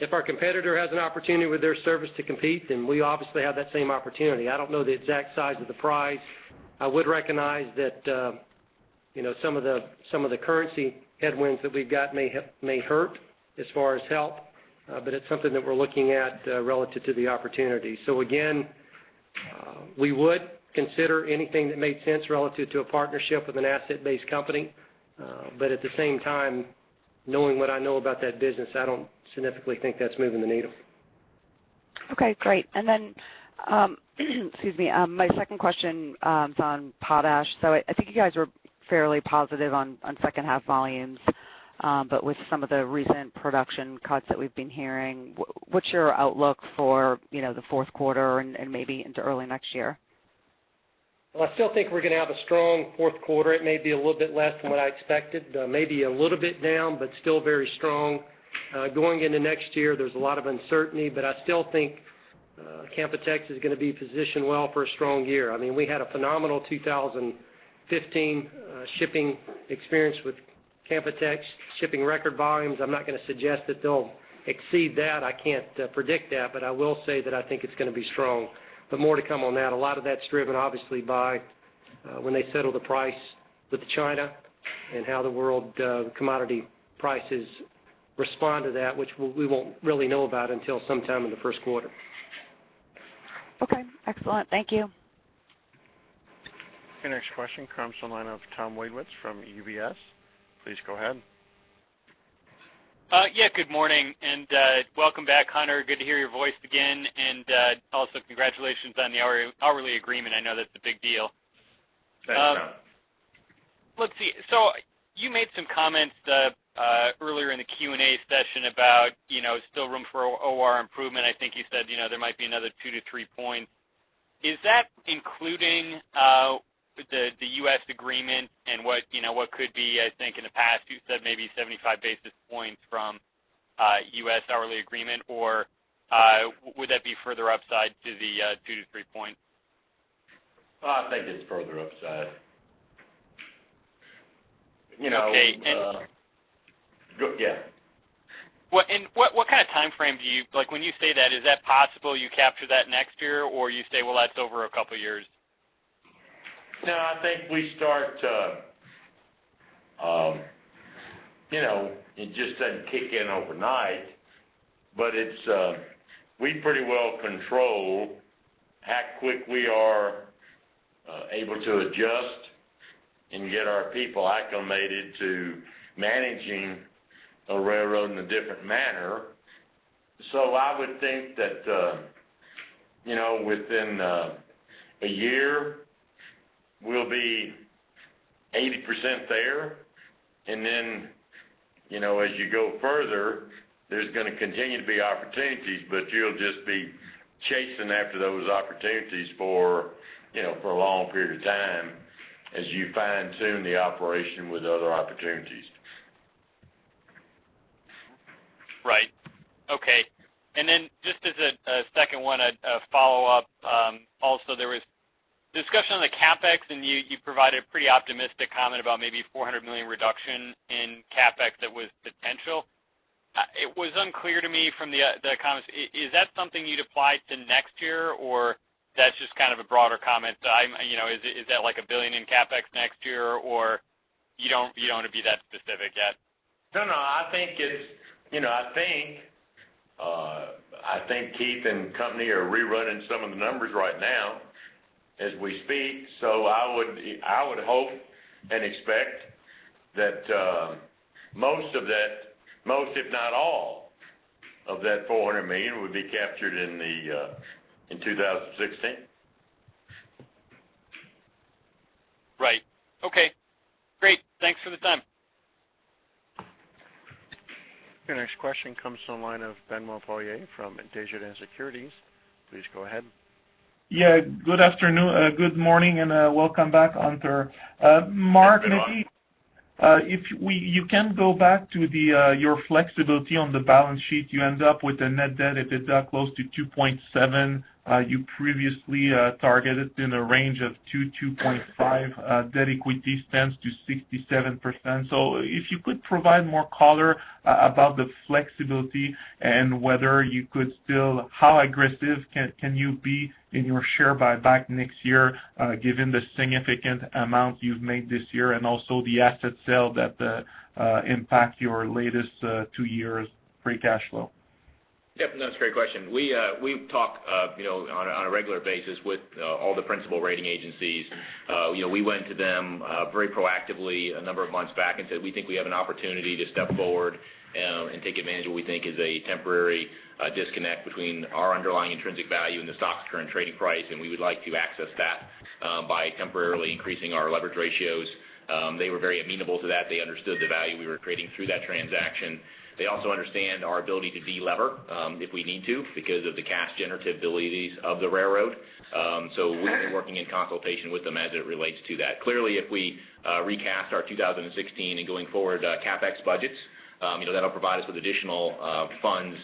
if our competitor has an opportunity with their service to compete, then we obviously have that same opportunity. I don't know the exact size of the prize. I would recognize that, you know, some of the, some of the currency headwinds that we've got may hurt as far as help, but it's something that we're looking at, relative to the opportunity. So again, we would consider anything that made sense relative to a partnership with an asset-based company, but at the same time, knowing what I know about that business, I don't significantly think that's moving the needle. Okay, great. And then, excuse me. My second question is on potash. So I think you guys are fairly positive on second half volumes, but with some of the recent production cuts that we've been hearing, what's your outlook for, you know, the fourth quarter and maybe into early next year? Well, I still think we're going to have a strong fourth quarter. It may be a little bit less than what I expected, maybe a little bit down, but still very strong. Going into next year, there's a lot of uncertainty, but I still think Canpotex is going to be positioned well for a strong year. I mean, we had a phenomenal 2015 shipping experience with Canpotex, shipping record volumes. I'm not going to suggest that they'll exceed that. I can't predict that, but I will say that I think it's going to be strong. But more to come on that. A lot of that's driven, obviously, by when they settle the price with China and how the world commodity prices respond to that, which we won't really know about until sometime in the first quarter. Okay, excellent. Thank you. Your next question comes on the line of Thomas Wadewitz from UBS. Please go ahead. Yeah, good morning, and welcome back, Hunter. Good to hear your voice again, and also congratulations on the hourly agreement. I know that's a big deal. Thanks, Tom. Let's see. So you made some comments earlier in the Q&A session about, you know, still room for OR improvement. I think you said, you know, there might be another 2-3 points. Is that including the U.S. agreement and what, you know, what could be, I think, in the past, you said maybe 75 basis points from U.S. hourly agreement, or would that be further upside to the 2-3 points? I think it's further upside. You know, Okay. Go- yeah. What kind of time frame do you... Like, when you say that, is that possible you capture that next year, or you say, well, that's over a couple of years? No, I think we start to, you know, it just doesn't kick in overnight, but it's, we pretty well control how quick we are able to adjust and get our people acclimated to managing a railroad in a different manner. So I would think that, you know, within a year, we'll be 80% there, and then, you know, as you go further, there's gonna continue to be opportunities, but you'll just be chasing after those opportunities for, you know, for a long period of time as you fine-tune the operation with other opportunities. Right. Okay. And then just as a second one, a follow-up, also, there was discussion on the CapEx, and you provided a pretty optimistic comment about maybe $400 million reduction in CapEx that was potential. It was unclear to me from the comments, is that something you'd apply to next year, or that's just kind of a broader comment? I'm, you know, is that like $1 billion in CapEx next year, or you don't want to be that specific yet? No, no, I think it's, you know, I think, I think Keith and company are rerunning some of the numbers right now as we speak, so I would, I would hope and expect that, most of that, most, if not all of that $400 million, would be captured in the, in 2016. Right. Okay, great. Thanks for the time. Your next question comes from the line of Benoit Poirier from Desjardins Securities. Please go ahead. Yeah, good afternoon, good morning, and welcome back, Hunter. Mark and Keith- Good morning. If we, you can go back to the, your flexibility on the balance sheet, you end up with a net debt at close to 2.7. You previously targeted in a range of 2-2.5. Debt equity stands to 67%. So if you could provide more color about the flexibility and whether you could still... How aggressive can you be in your share buyback next year, given the significant amount you've made this year, and also the asset sale that impact your latest two years' free cash flow? Yep, no, that's a great question. We talk, you know, on a regular basis with all the principal rating agencies. You know, we went to them very proactively a number of months back and said, "We think we have an opportunity to step forward and take advantage of what we think is a temporary disconnect between our underlying intrinsic value and the stock's current trading price, and we would like to access that by temporarily increasing our leverage ratios." They were very amenable to that. They understood the value we were creating through that transaction. They also understand our ability to de-lever if we need to, because of the cash generativity of the railroad. So we've been working in consultation with them as it relates to that. Clearly, if we recast our 2016 and going forward CapEx budgets, you know, that'll provide us with additional funds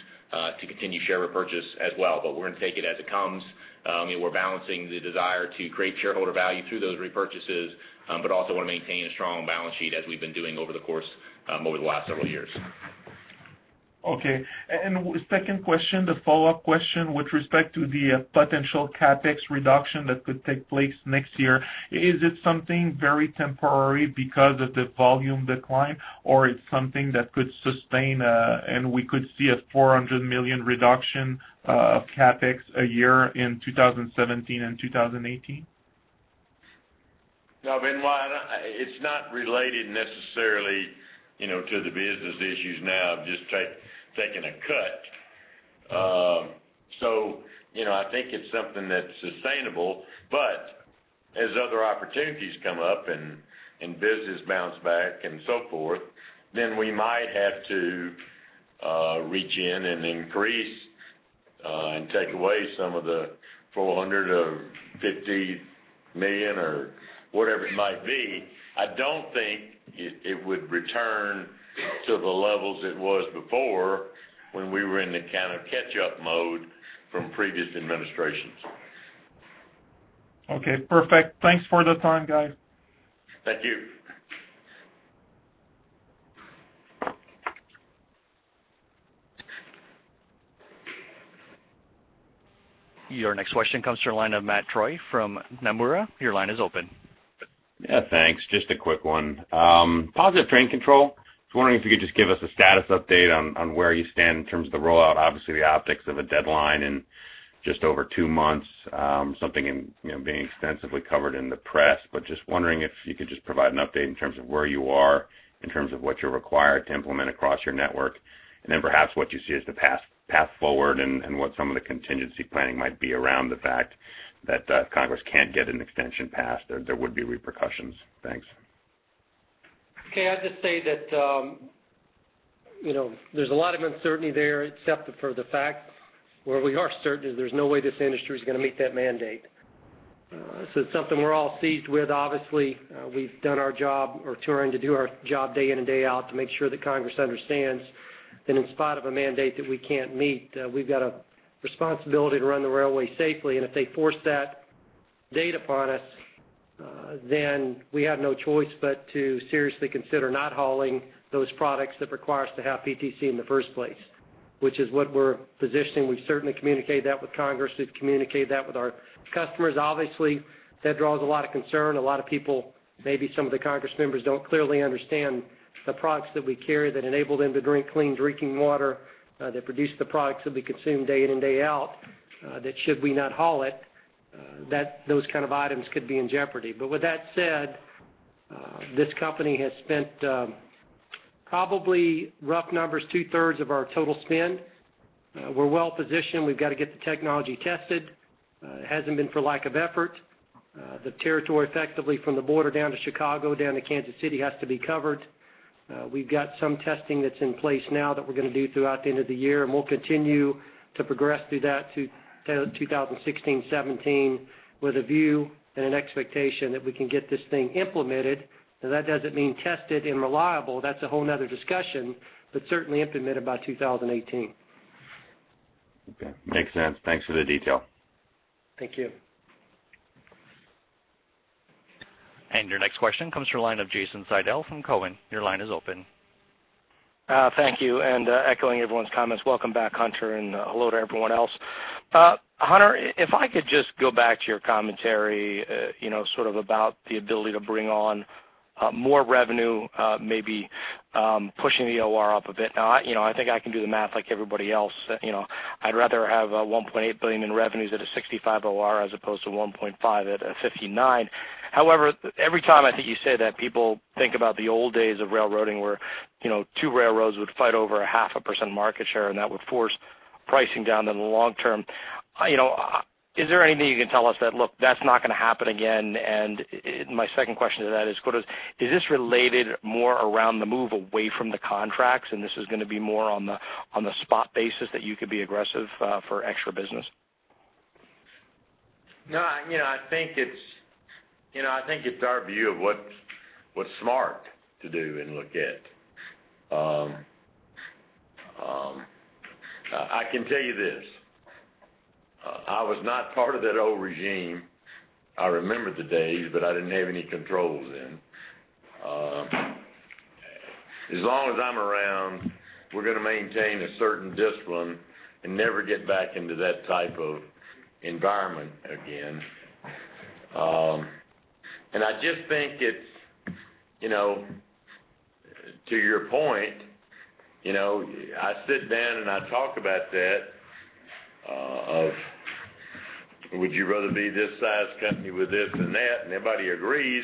to continue share repurchase as well, but we're gonna take it as it comes. You know, we're balancing the desire to create shareholder value through those repurchases, but also want to maintain a strong balance sheet as we've been doing over the course, over the last several years. Okay. Second question, the follow-up question, with respect to the potential CapEx reduction that could take place next year, is it something very temporary because of the volume decline, or it's something that could sustain, and we could see a $400 million reduction of CapEx a year in 2017 and 2018? No, Benoit, it's not related necessarily, you know, to the business issues now, just taking a cut. So, you know, I think it's something that's sustainable, but as other opportunities come up and business bounce back and so forth, then we might have to reach in and increase and take away some of the $400 million or $50 million or whatever it might be. I don't think it would return to the levels it was before when we were in the kind of catch-up mode from previous administrations. Okay, perfect. Thanks for the time, guys. Thank you. Your next question comes from the line of Matt Troy from Nomura. Your line is open.... Yeah, thanks. Just a quick one. Positive Train Control. I was wondering if you could just give us a status update on where you stand in terms of the rollout. Obviously, the optics of a deadline in just over two months, something in, you know, being extensively covered in the press. But just wondering if you could just provide an update in terms of where you are, in terms of what you're required to implement across your network, and then perhaps what you see as the path forward, and what some of the contingency planning might be around the fact that, if Congress can't get an extension passed, there would be repercussions. Thanks. Okay, I'd just say that, you know, there's a lot of uncertainty there, except for the fact where we are certain is there's no way this industry is going to meet that mandate. So it's something we're all seized with. Obviously, we've done our job, or trying to do our job day in and day out, to make sure that Congress understands that in spite of a mandate that we can't meet, we've got a responsibility to run the railway safely. And if they force that date upon us, then we have no choice but to seriously consider not hauling those products that require us to have PTC in the first place, which is what we're positioning. We've certainly communicated that with Congress. We've communicated that with our customers. Obviously, that draws a lot of concern. A lot of people, maybe some of the Congress members, don't clearly understand the products that we carry that enable them to drink clean drinking water, that produce the products that we consume day in and day out, that should we not haul it, that those kind of items could be in jeopardy. But with that said, this company has spent, probably, rough numbers, two-thirds of our total spend. We're well positioned. We've got to get the technology tested. It hasn't been for lack of effort. The territory effectively from the border down to Chicago, down to Kansas City, has to be covered. We've got some testing that's in place now that we're going to do throughout the end of the year, and we'll continue to progress through that to 2016, 2017, with a view and an expectation that we can get this thing implemented. Now, that doesn't mean tested and reliable, that's a whole another discussion, but certainly implemented by 2018. Okay. Makes sense. Thanks for the detail. Thank you. Your next question comes from the line of Jason Seidel from Cowen. Your line is open. Thank you, and echoing everyone's comments, welcome back, Hunter, and hello to everyone else. Hunter, if I could just go back to your commentary, you know, sort of about the ability to bring on more revenue, maybe pushing the OR up a bit. Now, I, you know, I think I can do the math like everybody else. You know, I'd rather have $1.8 billion in revenues at a 65 OR as opposed to $1.5 at a 59. However, every time I think you say that, people think about the old days of railroading, where, you know, two railroads would fight over a 0.5% market share, and that would force pricing down in the long term. You know, is there anything you can tell us that, look, that's not going to happen again? And my second question to that is, what is this related more around the move away from the contracts, and this is going to be more on the spot basis that you could be aggressive for extra business? No, you know, I think it's, you know, I think it's our view of what's smart to do and look at. I can tell you this. I was not part of that old regime. I remember the days, but I didn't have any controls then. As long as I'm around, we're going to maintain a certain discipline and never get back into that type of environment again. And I just think it's, you know, to your point, you know, I sit down, and I talk about that, of would you rather be this size company with this and that? And everybody agrees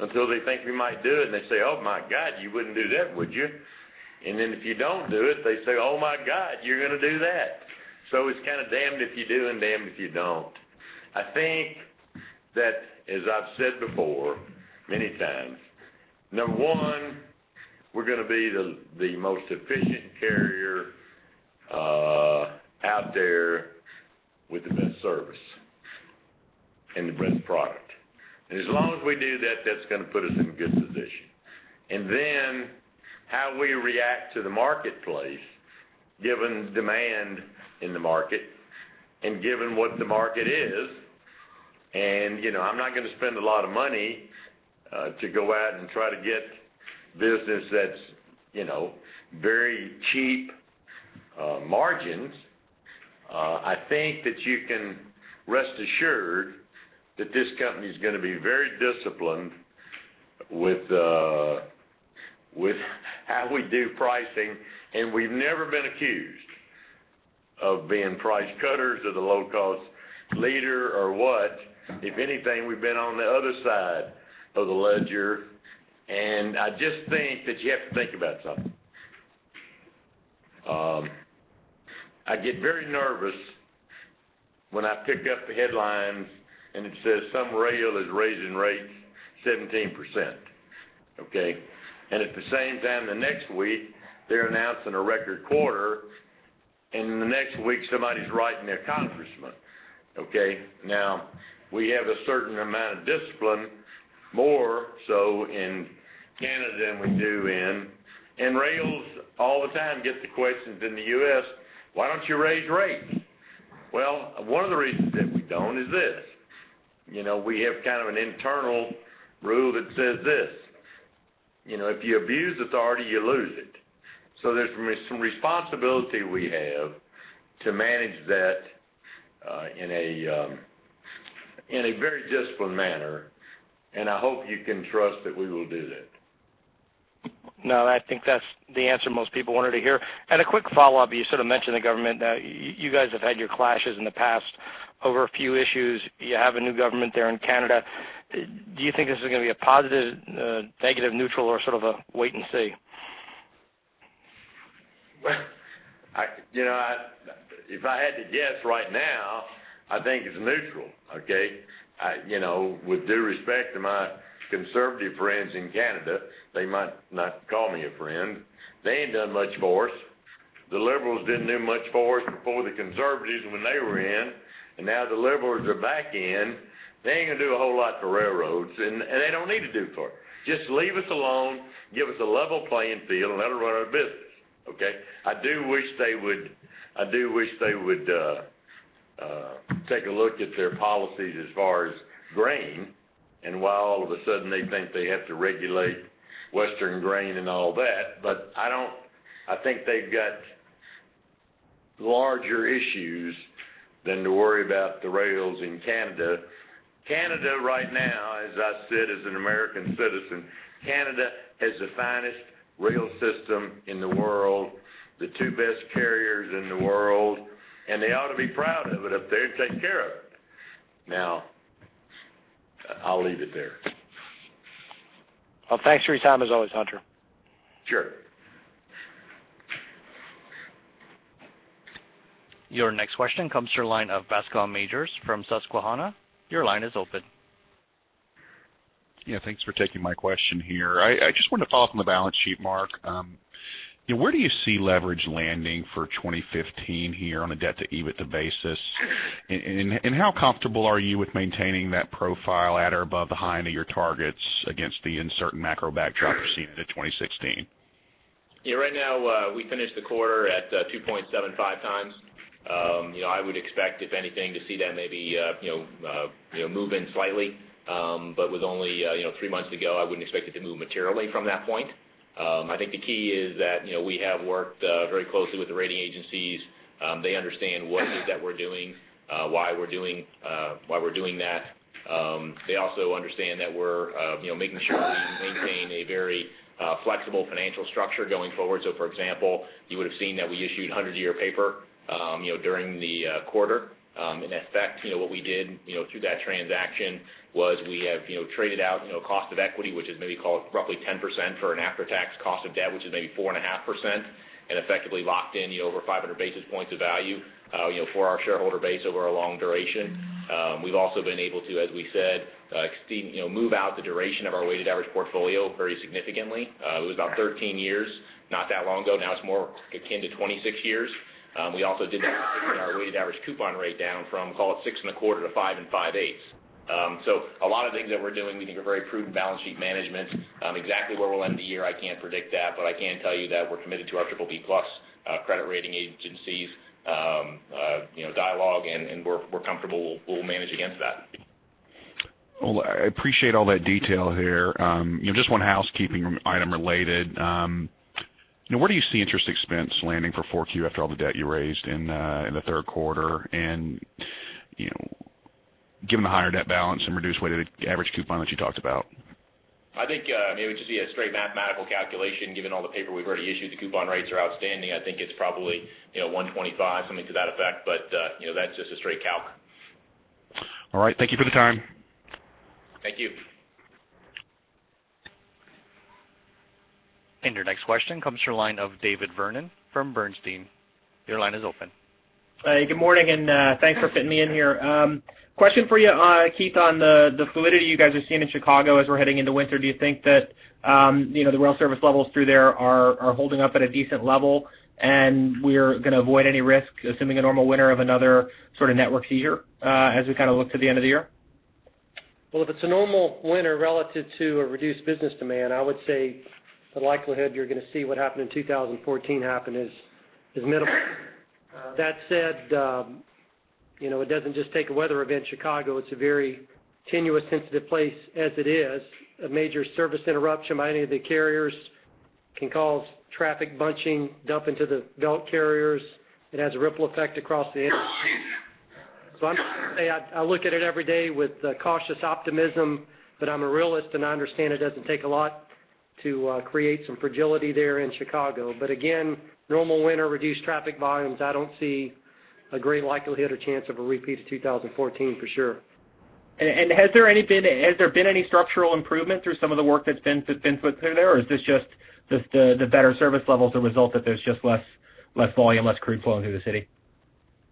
until they think we might do it, and they say, "Oh, my God, you wouldn't do that, would you?" And then if you don't do it, they say, "Oh, my God, you're going to do that." So it's kind of damned if you do and damned if you don't. I think that, as I've said before, many times, number one, we're going to be the most efficient carrier out there with the best service and the best product. And as long as we do that, that's going to put us in a good position. And then, how we react to the marketplace, given demand in the market and given what the market is, and, you know, I'm not going to spend a lot of money to go out and try to get business that's, you know, very cheap margins. I think that you can rest assured that this company is going to be very disciplined with, with how we do pricing, and we've never been accused of being price cutters or the low-cost leader, or what. If anything, we've been on the other side of the ledger. I just think that you have to think about something. I get very nervous when I pick up the headlines, and it says some rail is raising rates 17%, okay? And at the same time, the next week, they're announcing a record quarter, and the next week, somebody's writing their congressman, okay? Now, we have a certain amount of discipline, more so in Canada than we do in... Rails all the time get the questions in the U.S., "Why don't you raise rates?" Well, one of the reasons that we don't is this: You know, we have kind of an internal rule that says this: you know, if you abuse authority, you lose it. So there's some responsibility we have to manage that in a very disciplined manner, and I hope you can trust that we will do that. No, I think that's the answer most people wanted to hear. And a quick follow-up, you sort of mentioned the government. Now, you guys have had your clashes in the past over a few issues. You have a new government there in Canada. Do you think this is gonna be a positive, negative, neutral, or sort of a wait and see? Well, you know, if I had to guess right now, I think it's neutral, okay? You know, with due respect to my conservative friends in Canada, they might not call me a friend. They ain't done much for us. The Liberals didn't do much for us before the Conservatives when they were in, and now the Liberals are back in. They ain't gonna do a whole lot for railroads, and they don't need to do for it. Just leave us alone, give us a level playing field, and let us run our business, okay? I do wish they would take a look at their policies as far as grain, and why all of a sudden they think they have to regulate western grain and all that. But I don't, I think they've got larger issues than to worry about the rails in Canada. Canada, right now, as I said, as an American citizen, Canada has the finest rail system in the world, the two best carriers in the world, and they ought to be proud of it if they take care of it. Now, I'll leave it there. Well, thanks for your time, as always, Hunter. Sure. Your next question comes from the line of Bascom Majors from Susquehanna. Your line is open. Yeah, thanks for taking my question here. I just wanted to follow up on the balance sheet, Mark. Where do you see leverage landing for 2015 here on a debt to EBITDA basis? And how comfortable are you with maintaining that profile at or above the high end of your targets against the uncertain macro backdrop you're seeing into 2016? Yeah, right now, we finished the quarter at 2.75 times. You know, I would expect, if anything, to see that maybe, you know, you know, move in slightly. But with only, you know, 3 months to go, I wouldn't expect it to move materially from that point. I think the key is that, you know, we have worked very closely with the rating agencies. They understand what it is that we're doing, why we're doing, why we're doing that. They also understand that we're, you know, making sure we maintain a very flexible financial structure going forward. So, for example, you would have seen that we issued 100-year paper, you know, during the quarter. In effect, you know, what we did, you know, through that transaction was we have, you know, traded out, you know, cost of equity, which is maybe called roughly 10% for an after-tax cost of debt, which is maybe 4.5%, and effectively locked in, you know, over 500 basis points of value, you know, for our shareholder base over a long duration. We've also been able to, as we said, extend, you know, move out the duration of our weighted average portfolio very significantly. It was about 13 years, not that long ago. Now it's more akin to 26 years. We also did our weighted average coupon rate down from, call it, 6.25 to 5.625. So a lot of things that we're doing, we think are very prudent balance sheet management. Exactly where we'll end the year, I can't predict that, but I can tell you that we're committed to our Triple B plus credit rating agencies, you know, dialogue, and we're comfortable we'll manage against that. Well, I appreciate all that detail here. You know, just one housekeeping item related. Now, where do you see interest expense landing for Q4 after all the debt you raised in the third quarter? And, you know, given the higher debt balance and reduced weighted average coupon that you talked about. I think, maybe just see a straight mathematical calculation, given all the paper we've already issued, the coupon rates are outstanding. I think it's probably, you know, 125, something to that effect, but, you know, that's just a straight calc. All right, thank you for the time. Thank you. Your next question comes from the line of David Vernon from Bernstein. Your line is open. Good morning, and thanks for fitting me in here. Question for you, Keith, on the fluidity you guys are seeing in Chicago as we're heading into winter. Do you think that, you know, the rail service levels through there are holding up at a decent level, and we're gonna avoid any risk, assuming a normal winter of another sort of network seizure, as we kind of look to the end of the year? Well, if it's a normal winter relative to a reduced business demand, I would say the likelihood you're gonna see what happened in 2014 happen is minimal. That said, you know, it doesn't just take a weather event. Chicago, it's a very tenuous, sensitive place as it is. A major service interruption by any of the carriers can cause traffic bunching, dump into the belt carriers. It has a ripple effect across the industry. So I'm saying I look at it every day with cautious optimism, but I'm a realist, and I understand it doesn't take a lot to create some fragility there in Chicago. But again, normal winter, reduced traffic volumes, I don't see a great likelihood or chance of a repeat of 2014, for sure. Has there been any structural improvement through some of the work that's been put through there? Or is this just the better service levels, the result that there's just less volume, less crude flowing through the city?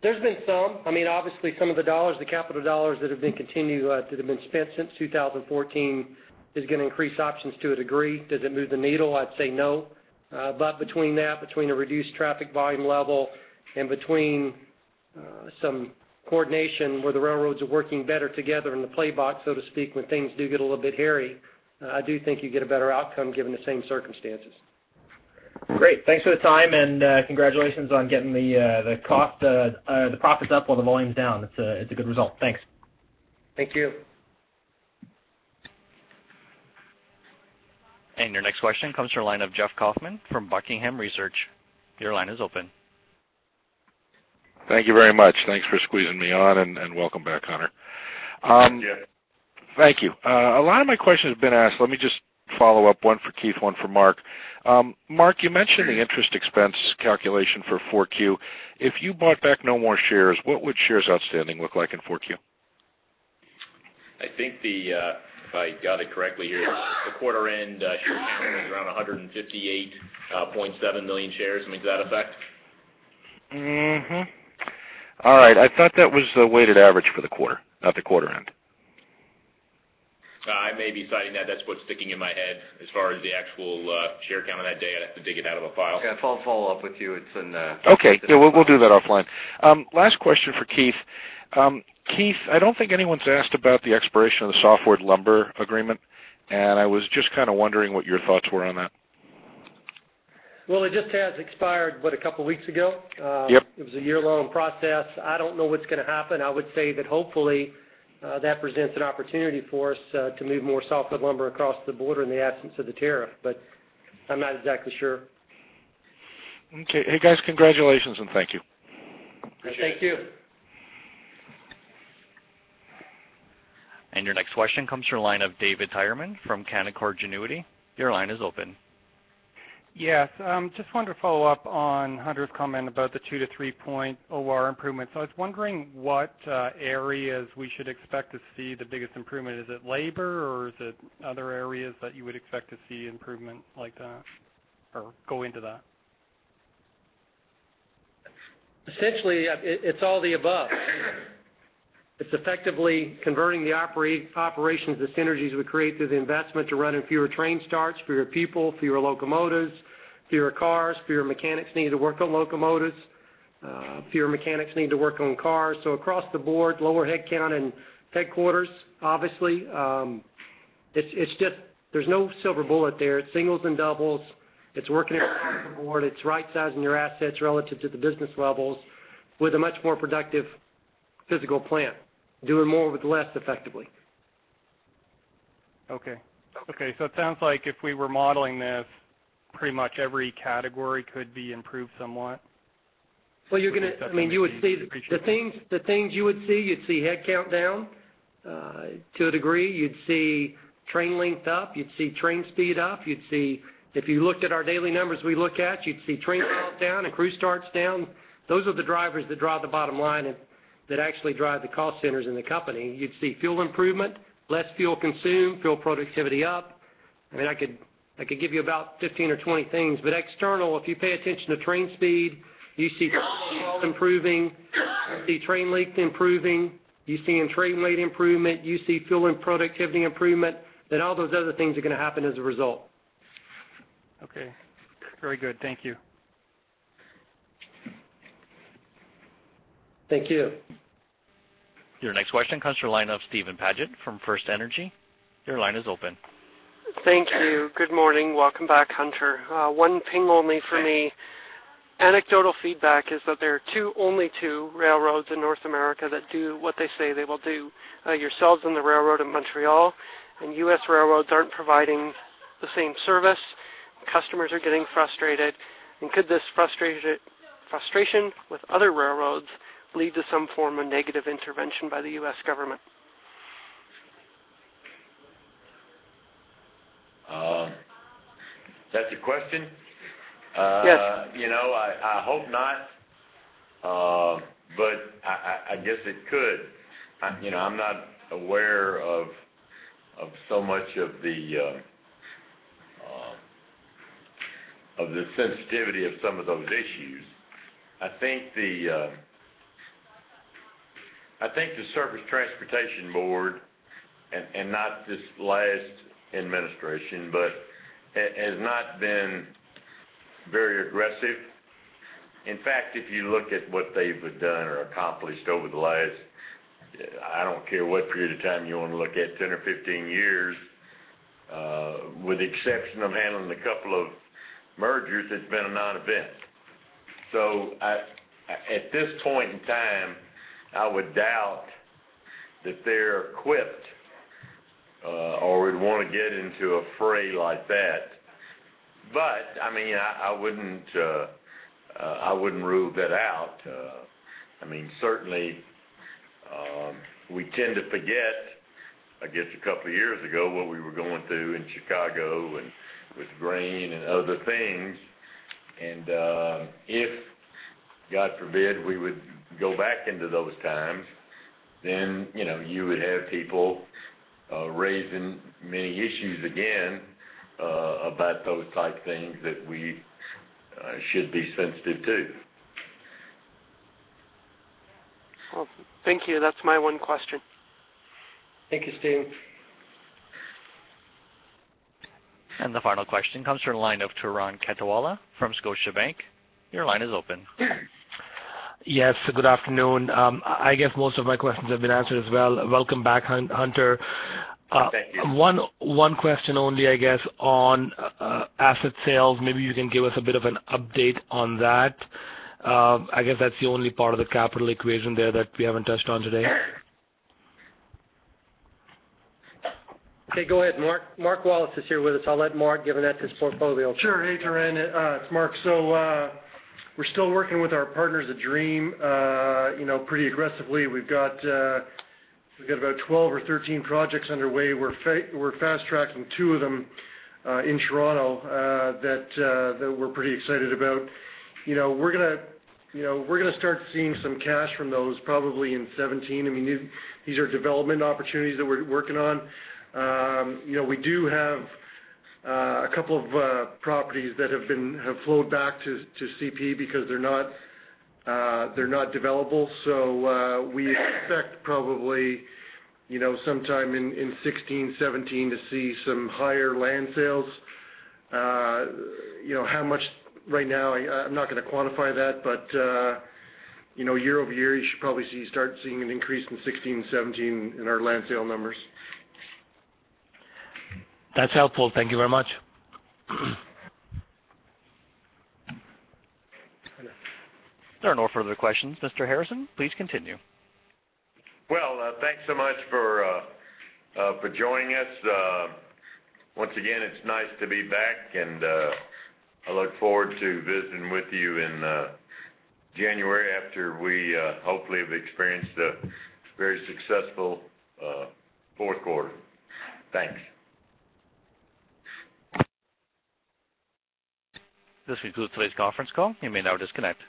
There's been some. I mean, obviously, some of the dollars, the capital dollars that have been continued, that have been spent since 2014, is gonna increase OpEx to a degree. Does it move the needle? I'd say no. But between that, between a reduced traffic volume level and between, some coordination where the railroads are working better together in the playbook, so to speak, when things do get a little bit hairy, I do think you get a better outcome given the same circumstances.... Great. Thanks for the time, and congratulations on getting the costs down, the profits up while the volume's down. It's a good result. Thanks. Thank you. Your next question comes from the line of Jeff Kauffman from Buckingham Research. Your line is open. Thank you very much. Thanks for squeezing me on, and welcome back, Hunter. Thank you. Thank you. A lot of my questions have been asked. Let me just follow up, one for Keith, one for Mark. Mark, you mentioned the interest expense calculation for four Q. If you bought back no more shares, what would shares outstanding look like in four Q? I think if I got it correctly here, the quarter end share count is around 158.7 million shares. Something to that effect. All right. I thought that was the weighted average for the quarter, not the quarter end. I may be citing that. That's what's sticking in my head. As far as the actual share count on that day, I'd have to dig it out of a file. Yeah, I'll follow up with you. It's in, Okay. Yeah, we'll, we'll do that offline. Last question for Keith. Keith, I don't think anyone's asked about the expiration of the Softwood Lumber Agreement, and I was just kind of wondering what your thoughts were on that. Well, it just has expired, what, a couple weeks ago? Yep. It was a year-long process. I don't know what's going to happen. I would say that hopefully, that presents an opportunity for us to move more softwood lumber across the border in the absence of the tariff, but I'm not exactly sure. Okay. Hey, guys, congratulations, and thank you. Thank you. And your next question comes from the line of David Tyerman from Canaccord Genuity. Your line is open. Yes, just wanted to follow up on Hunter's comment about the 2-3 point OR improvement. So I was wondering what areas we should expect to see the biggest improvement. Is it labor, or is it other areas that you would expect to see improvement like that, or go into that? Essentially, it's all the above. It's effectively converting the operations, the synergies we create through the investment to running fewer train starts, fewer people, fewer locomotives, fewer cars, fewer mechanics needing to work on locomotives, fewer mechanics needing to work on cars. So across the board, lower headcount in headquarters, obviously. It's just—there's no silver bullet there. It's singles and doubles. It's working across the board. It's right-sizing your assets relative to the business levels with a much more productive physical plan, doing more with less effectively. Okay. Okay, so it sounds like if we were modeling this, pretty much every category could be improved somewhat? Well, you're gonna—I mean, you would see the things you would see, you'd see headcount down to a degree. You'd see train length up. You'd see train speed up. You'd see, if you looked at our daily numbers we look at, you'd see train count down and crew starts down. Those are the drivers that drive the bottom line and that actually drive the cost centers in the company. You'd see fuel improvement, less fuel consumed, fuel productivity up. I mean, I could give you about 15 or 20 things, but external, if you pay attention to train speed, you see improving, you see train length improving, you're seeing train rate improvement, you see fuel and productivity improvement, then all those other things are going to happen as a result. Okay. Very good. Thank you. Thank you. Your next question comes from the line of Steven Paget from FirstEnergy. Your line is open. Thank you. Good morning. Welcome back, Hunter. One thing only for me. Anecdotal feedback is that there are two, only two railroads in North America that do what they say they will do, yourselves and the railroad in Montreal, and U.S. railroads aren't providing the same service. Customers are getting frustrated. Could this frustration with other railroads lead to some form of negative intervention by the U.S. government? Is that the question? Yes. You know, I hope not. But I guess it could. You know, I'm not aware of so much of the sensitivity of some of those issues. I think the Surface Transportation Board, and not this last administration, but has not been very aggressive. In fact, if you look at what they've done or accomplished over the last, I don't care what period of time you want to look at, 10 or 15 years, with the exception of handling a couple of mergers, it's been a non-event. So at this point in time, I would doubt that they're equipped or would want to get into a fray like that. But I mean, I wouldn't rule that out. I mean, certainly, we tend to forget, I guess, a couple of years ago, what we were going through in Chicago and with grain and other things. If, God forbid, we would go back into those times, then, you know, you would have people raising many issues again about those type things that we should be sensitive to. Well, thank you. That's my one question. Thank you, Steve. The final question comes from the line of Turan Quettawala from Scotiabank. Your line is open. ... Yes, good afternoon. I guess most of my questions have been answered as well. Welcome back, Hunter. Thank you. One, one question only, I guess, on asset sales. Maybe you can give us a bit of an update on that. I guess that's the only part of the capital equation there that we haven't touched on today. Okay, go ahead, Mark. Mark Wallace is here with us. I'll let Mark give an update on the portfolio. Sure. Hey, Turan, it's Mark. So, we're still working with our partners at Dream, you know, pretty aggressively. We've got, we've got about 12 or 13 projects underway. We're fast tracking two of them, in Toronto, that, that we're pretty excited about. You know, we're gonna, you know, we're gonna start seeing some cash from those probably in 2017. I mean, these, these are development opportunities that we're working on. You know, we do have a couple of properties that have flowed back to CP because they're not, they're not developable. So, we expect probably, you know, sometime in 2016, 2017 to see some higher land sales. You know, how much right now, I'm not gonna quantify that, but you know, year over year, you should probably see start seeing an increase in 2016, 2017 in our land sale numbers. That's helpful. Thank you very much. There are no further questions, Mr. Harrison. Please continue. Well, thanks so much for joining us. Once again, it's nice to be back, and I look forward to visiting with you in January, after we hopefully have experienced a very successful fourth quarter. Thanks. This concludes today's conference call. You may now disconnect.